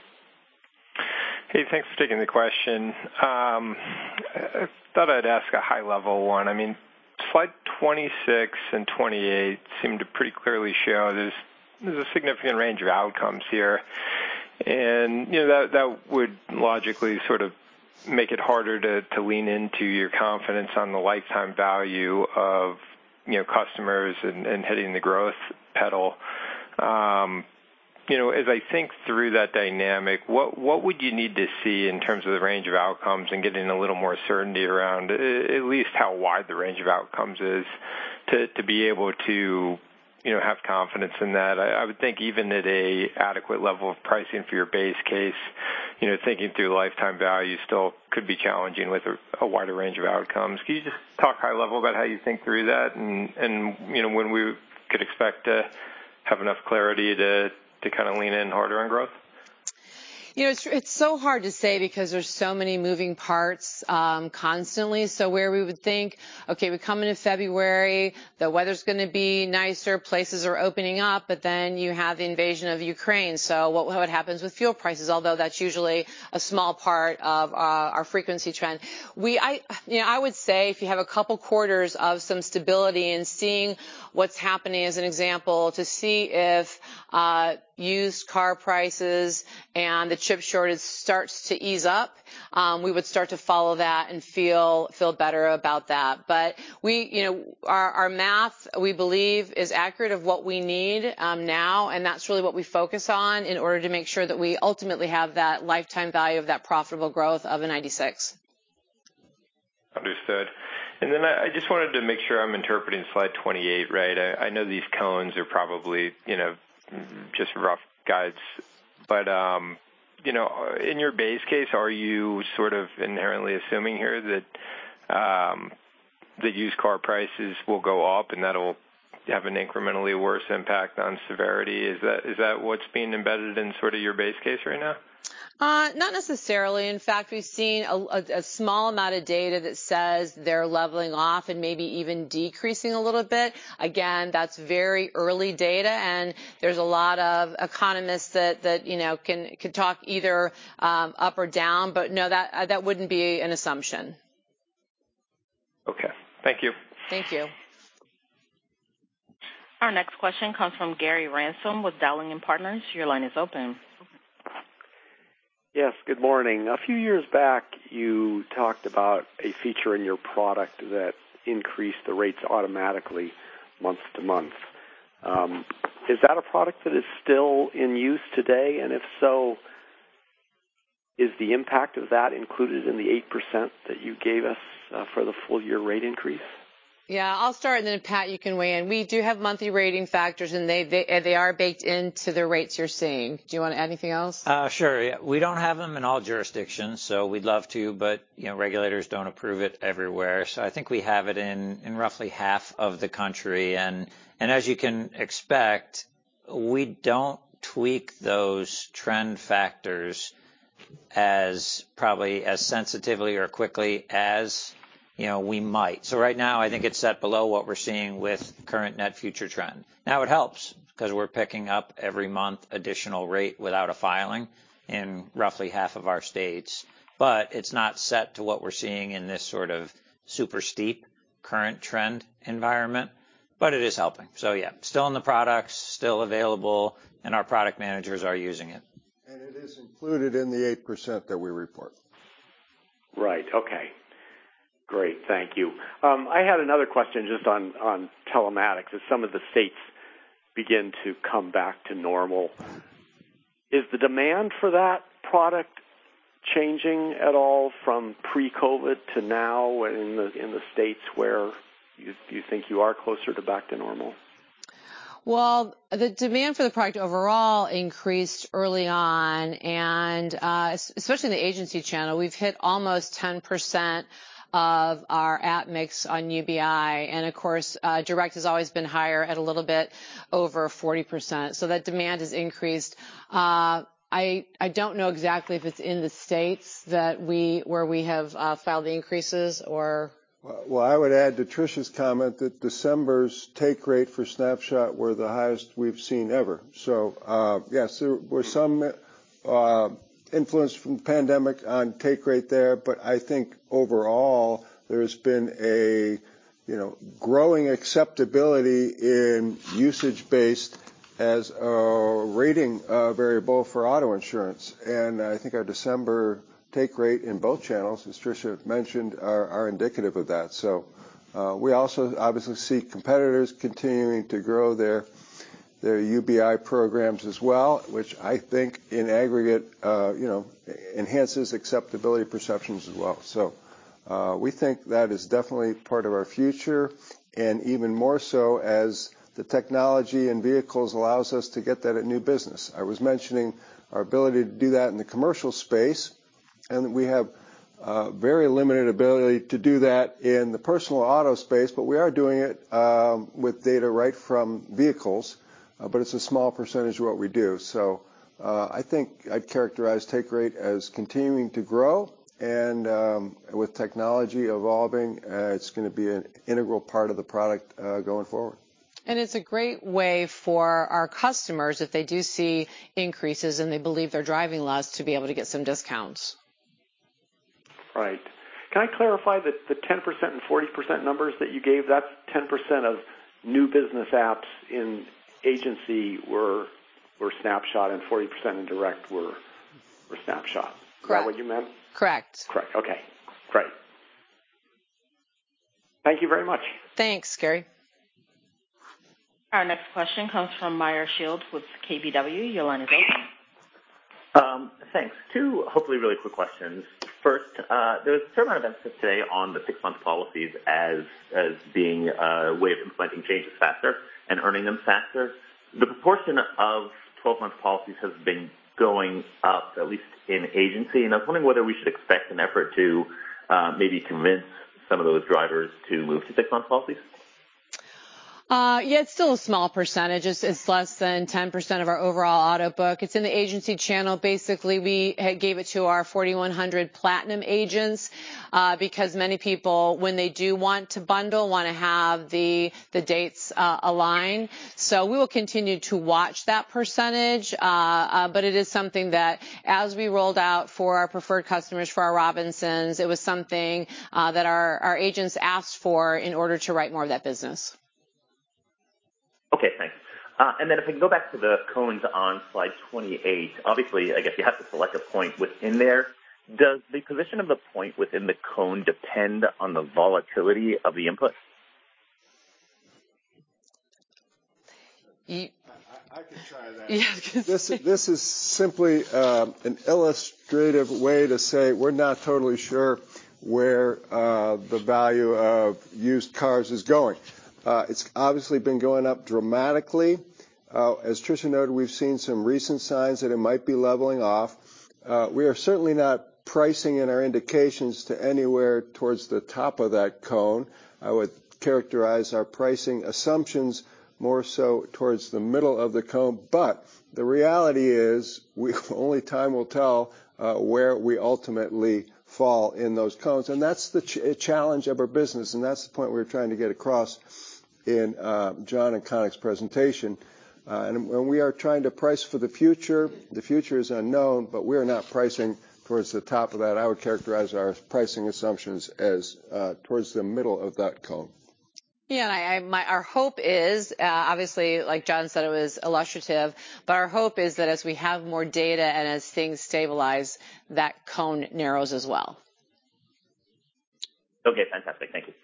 Hey, thanks for taking the question. I thought I'd ask a high-level one. I mean, slide 26 and 28 seem to pretty clearly show there's a significant range of outcomes here. You know, that would logically sort of make it harder to lean into your confidence on the lifetime value of, you know, customers and hitting the growth pedal. You know, as I think through that dynamic, what would you need to see in terms of the range of outcomes and getting a little more certainty around at least how wide the range of outcomes is to be able to, you know, have confidence in that? I would think even at an adequate level of pricing for your base case, you know, thinking through lifetime value still could be challenging with a wider range of outcomes. Can you just talk high level about how you think through that and, you know, when we could expect to have enough clarity to kind of lean in harder on growth? You know, it's so hard to say because there's so many moving parts constantly. Where we would think, okay, we come into February, the weather's gonna be nicer, places are opening up, but then you have the invasion of Ukraine. What happens with fuel prices? Although that's usually a small part of our frequency trend. You know, I would say if you have a couple quarters of some stability and seeing what's happening as an example to see if used car prices and the chip shortage starts to ease up, we would start to follow that and feel better about that. We You know, our math, we believe, is accurate of what we need now, and that's really what we focus on in order to make sure that we ultimately have that lifetime value of that profitable growth of a 96. Understood. I just wanted to make sure I'm interpreting slide 28 right. I know these cones are probably, you know, just rough guides, but you know, in your base case, are you sort of inherently assuming here that the used car prices will go up, and that'll have an incrementally worse impact on severity? Is that what's being embedded in sort of your base case right now? Not necessarily. In fact, we've seen a small amount of data that says they're leveling off and maybe even decreasing a little bit. Again, that's very early data, and there's a lot of economists that you know can talk either up or down. No, that wouldn't be an assumption. Okay. Thank you. Thank you. Our next question comes from Gary Ransom with Dowling & Partners. Your line is open. Yes. Good morning. A few years back, you talked about a feature in your product that increased the rates automatically month-to-month. Is that a product that is still in use today? If so, is the impact of that included in the 8% that you gave us for the full year rate increase? Yeah. I'll start, and then Pat, you can weigh in. We do have monthly rating factors, and they are baked into the rates you're seeing. Do you wanna add anything else? Sure. Yeah. We don't have them in all jurisdictions, so we'd love to, but you know, regulators don't approve it everywhere. I think we have it in roughly half of the country. As you can expect, we don't tweak those trend factors as probably as sensitively or quickly as you know, we might. Right now I think it's set below what we're seeing with current net future trend. Now, it helps 'cause we're picking up every month additional rate without a filing in roughly half of our states, but it's not set to what we're seeing in this sort of super steep current trend environment. It is helping. Yeah, still in the products, still available, and our product managers are using it. It is included in the 8% that we report. Right. Okay. Great. Thank you. I had another question just on telematics. As some of the states begin to come back to normal, is the demand for that product changing at all from pre-COVID to now in the states where you think you are closer to back to normal? Well, the demand for the product overall increased early on, and especially in the agency channel. We've hit almost 10% of our ad mix on UBI. Of course, direct has always been higher at a little bit over 40%, so that demand has increased. I don't know exactly if it's in the states where we have filed the increases or- Well, I would add to Tricia's comment that December's take rate for Snapshot was the highest we've seen ever. Yes, there were some influence from the pandemic on take rate there, but I think overall, there's been a you know, growing acceptability in usage-based as a rating variable for auto insurance. I think our December take rate in both channels, as Tricia mentioned, are indicative of that. We also obviously see competitors continuing to grow their UBI programs as well, which I think in aggregate you know, enhances acceptability perceptions as well. We think that is definitely part of our future, and even more so as the technology and vehicles allows us to get that at new business. I was mentioning our ability to do that in the commercial space, and we have very limited ability to do that in the personal auto space, but we are doing it with data right from vehicles, but it's a small percentage of what we do. I think I'd characterize take rate as continuing to grow and with technology evolving, it's gonna be an integral part of the product going forward. It's a great way for our customers, if they do see increases, and they believe they're driving less, to be able to get some discounts. Right. Can I clarify the 10% and 40% numbers that you gave, that's 10% of new business apps in agency were Snapshot and 40% in direct were Snapshot. Correct. Is that what you meant? Correct. Correct. Okay, great. Thank you very much. Thanks, Gary. Our next question comes from Meyer Shields with KBW. Your line is open. Thanks. Two, hopefully, really quick questions. First, there was a fair amount of emphasis today on the six-month policies as being a way of implementing changes faster and earning them faster. The proportion of 12-month policies has been going up, at least in agency, and I was wondering whether we should expect an effort to maybe convince some of those drivers to move to six-month policies? Yeah, it's still a small percentage. It's less than 10% of our overall auto book. It's in the agency channel. Basically, we gave it to our 4,100 platinum agents, because many people, when they do want to bundle, wanna have the dates align. We will continue to watch that percentage. But it is something that as we rolled out for our preferred customers, for our Robinsons, it was something that our agents asked for in order to write more of that business. Okay, thanks. If we can go back to the cones on slide 28. Obviously, I guess you have to select a point within there. Does the position of the point within the cone depend on the volatility of the input? Y- I can try that. Yeah. This is simply an illustrative way to say we're not totally sure where the value of used cars is going. It's obviously been going up dramatically. As Tricia noted, we've seen some recent signs that it might be leveling off. We are certainly not pricing in our indications to anywhere towards the top of that cone. I would characterize our pricing assumptions more so towards the middle of the cone. The reality is, only time will tell where we ultimately fall in those cones. That's the challenge of our business, and that's the point we're trying to get across in John and Kanik's presentation. We are trying to price for the future. The future is unknown, but we are not pricing towards the top of that. I would characterize our pricing assumptions as, towards the middle of that cone. Yeah. Our hope is, obviously, like John said, it was illustrative, but our hope is that as we have more data and as things stabilize, that cone narrows as well. Okay. Fantastic. Thank you.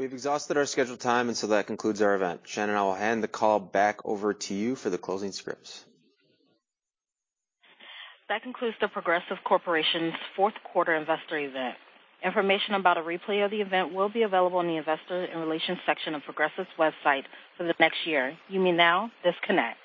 We've exhausted our scheduled time, and so that concludes our event. Shannon, I will hand the call back over to you for the closing scripts. That concludes the Progressive Corporation's fourth quarter investor event. Information about a replay of the event will be available in the investor relations section of Progressive's website for the next year. You may now disconnect.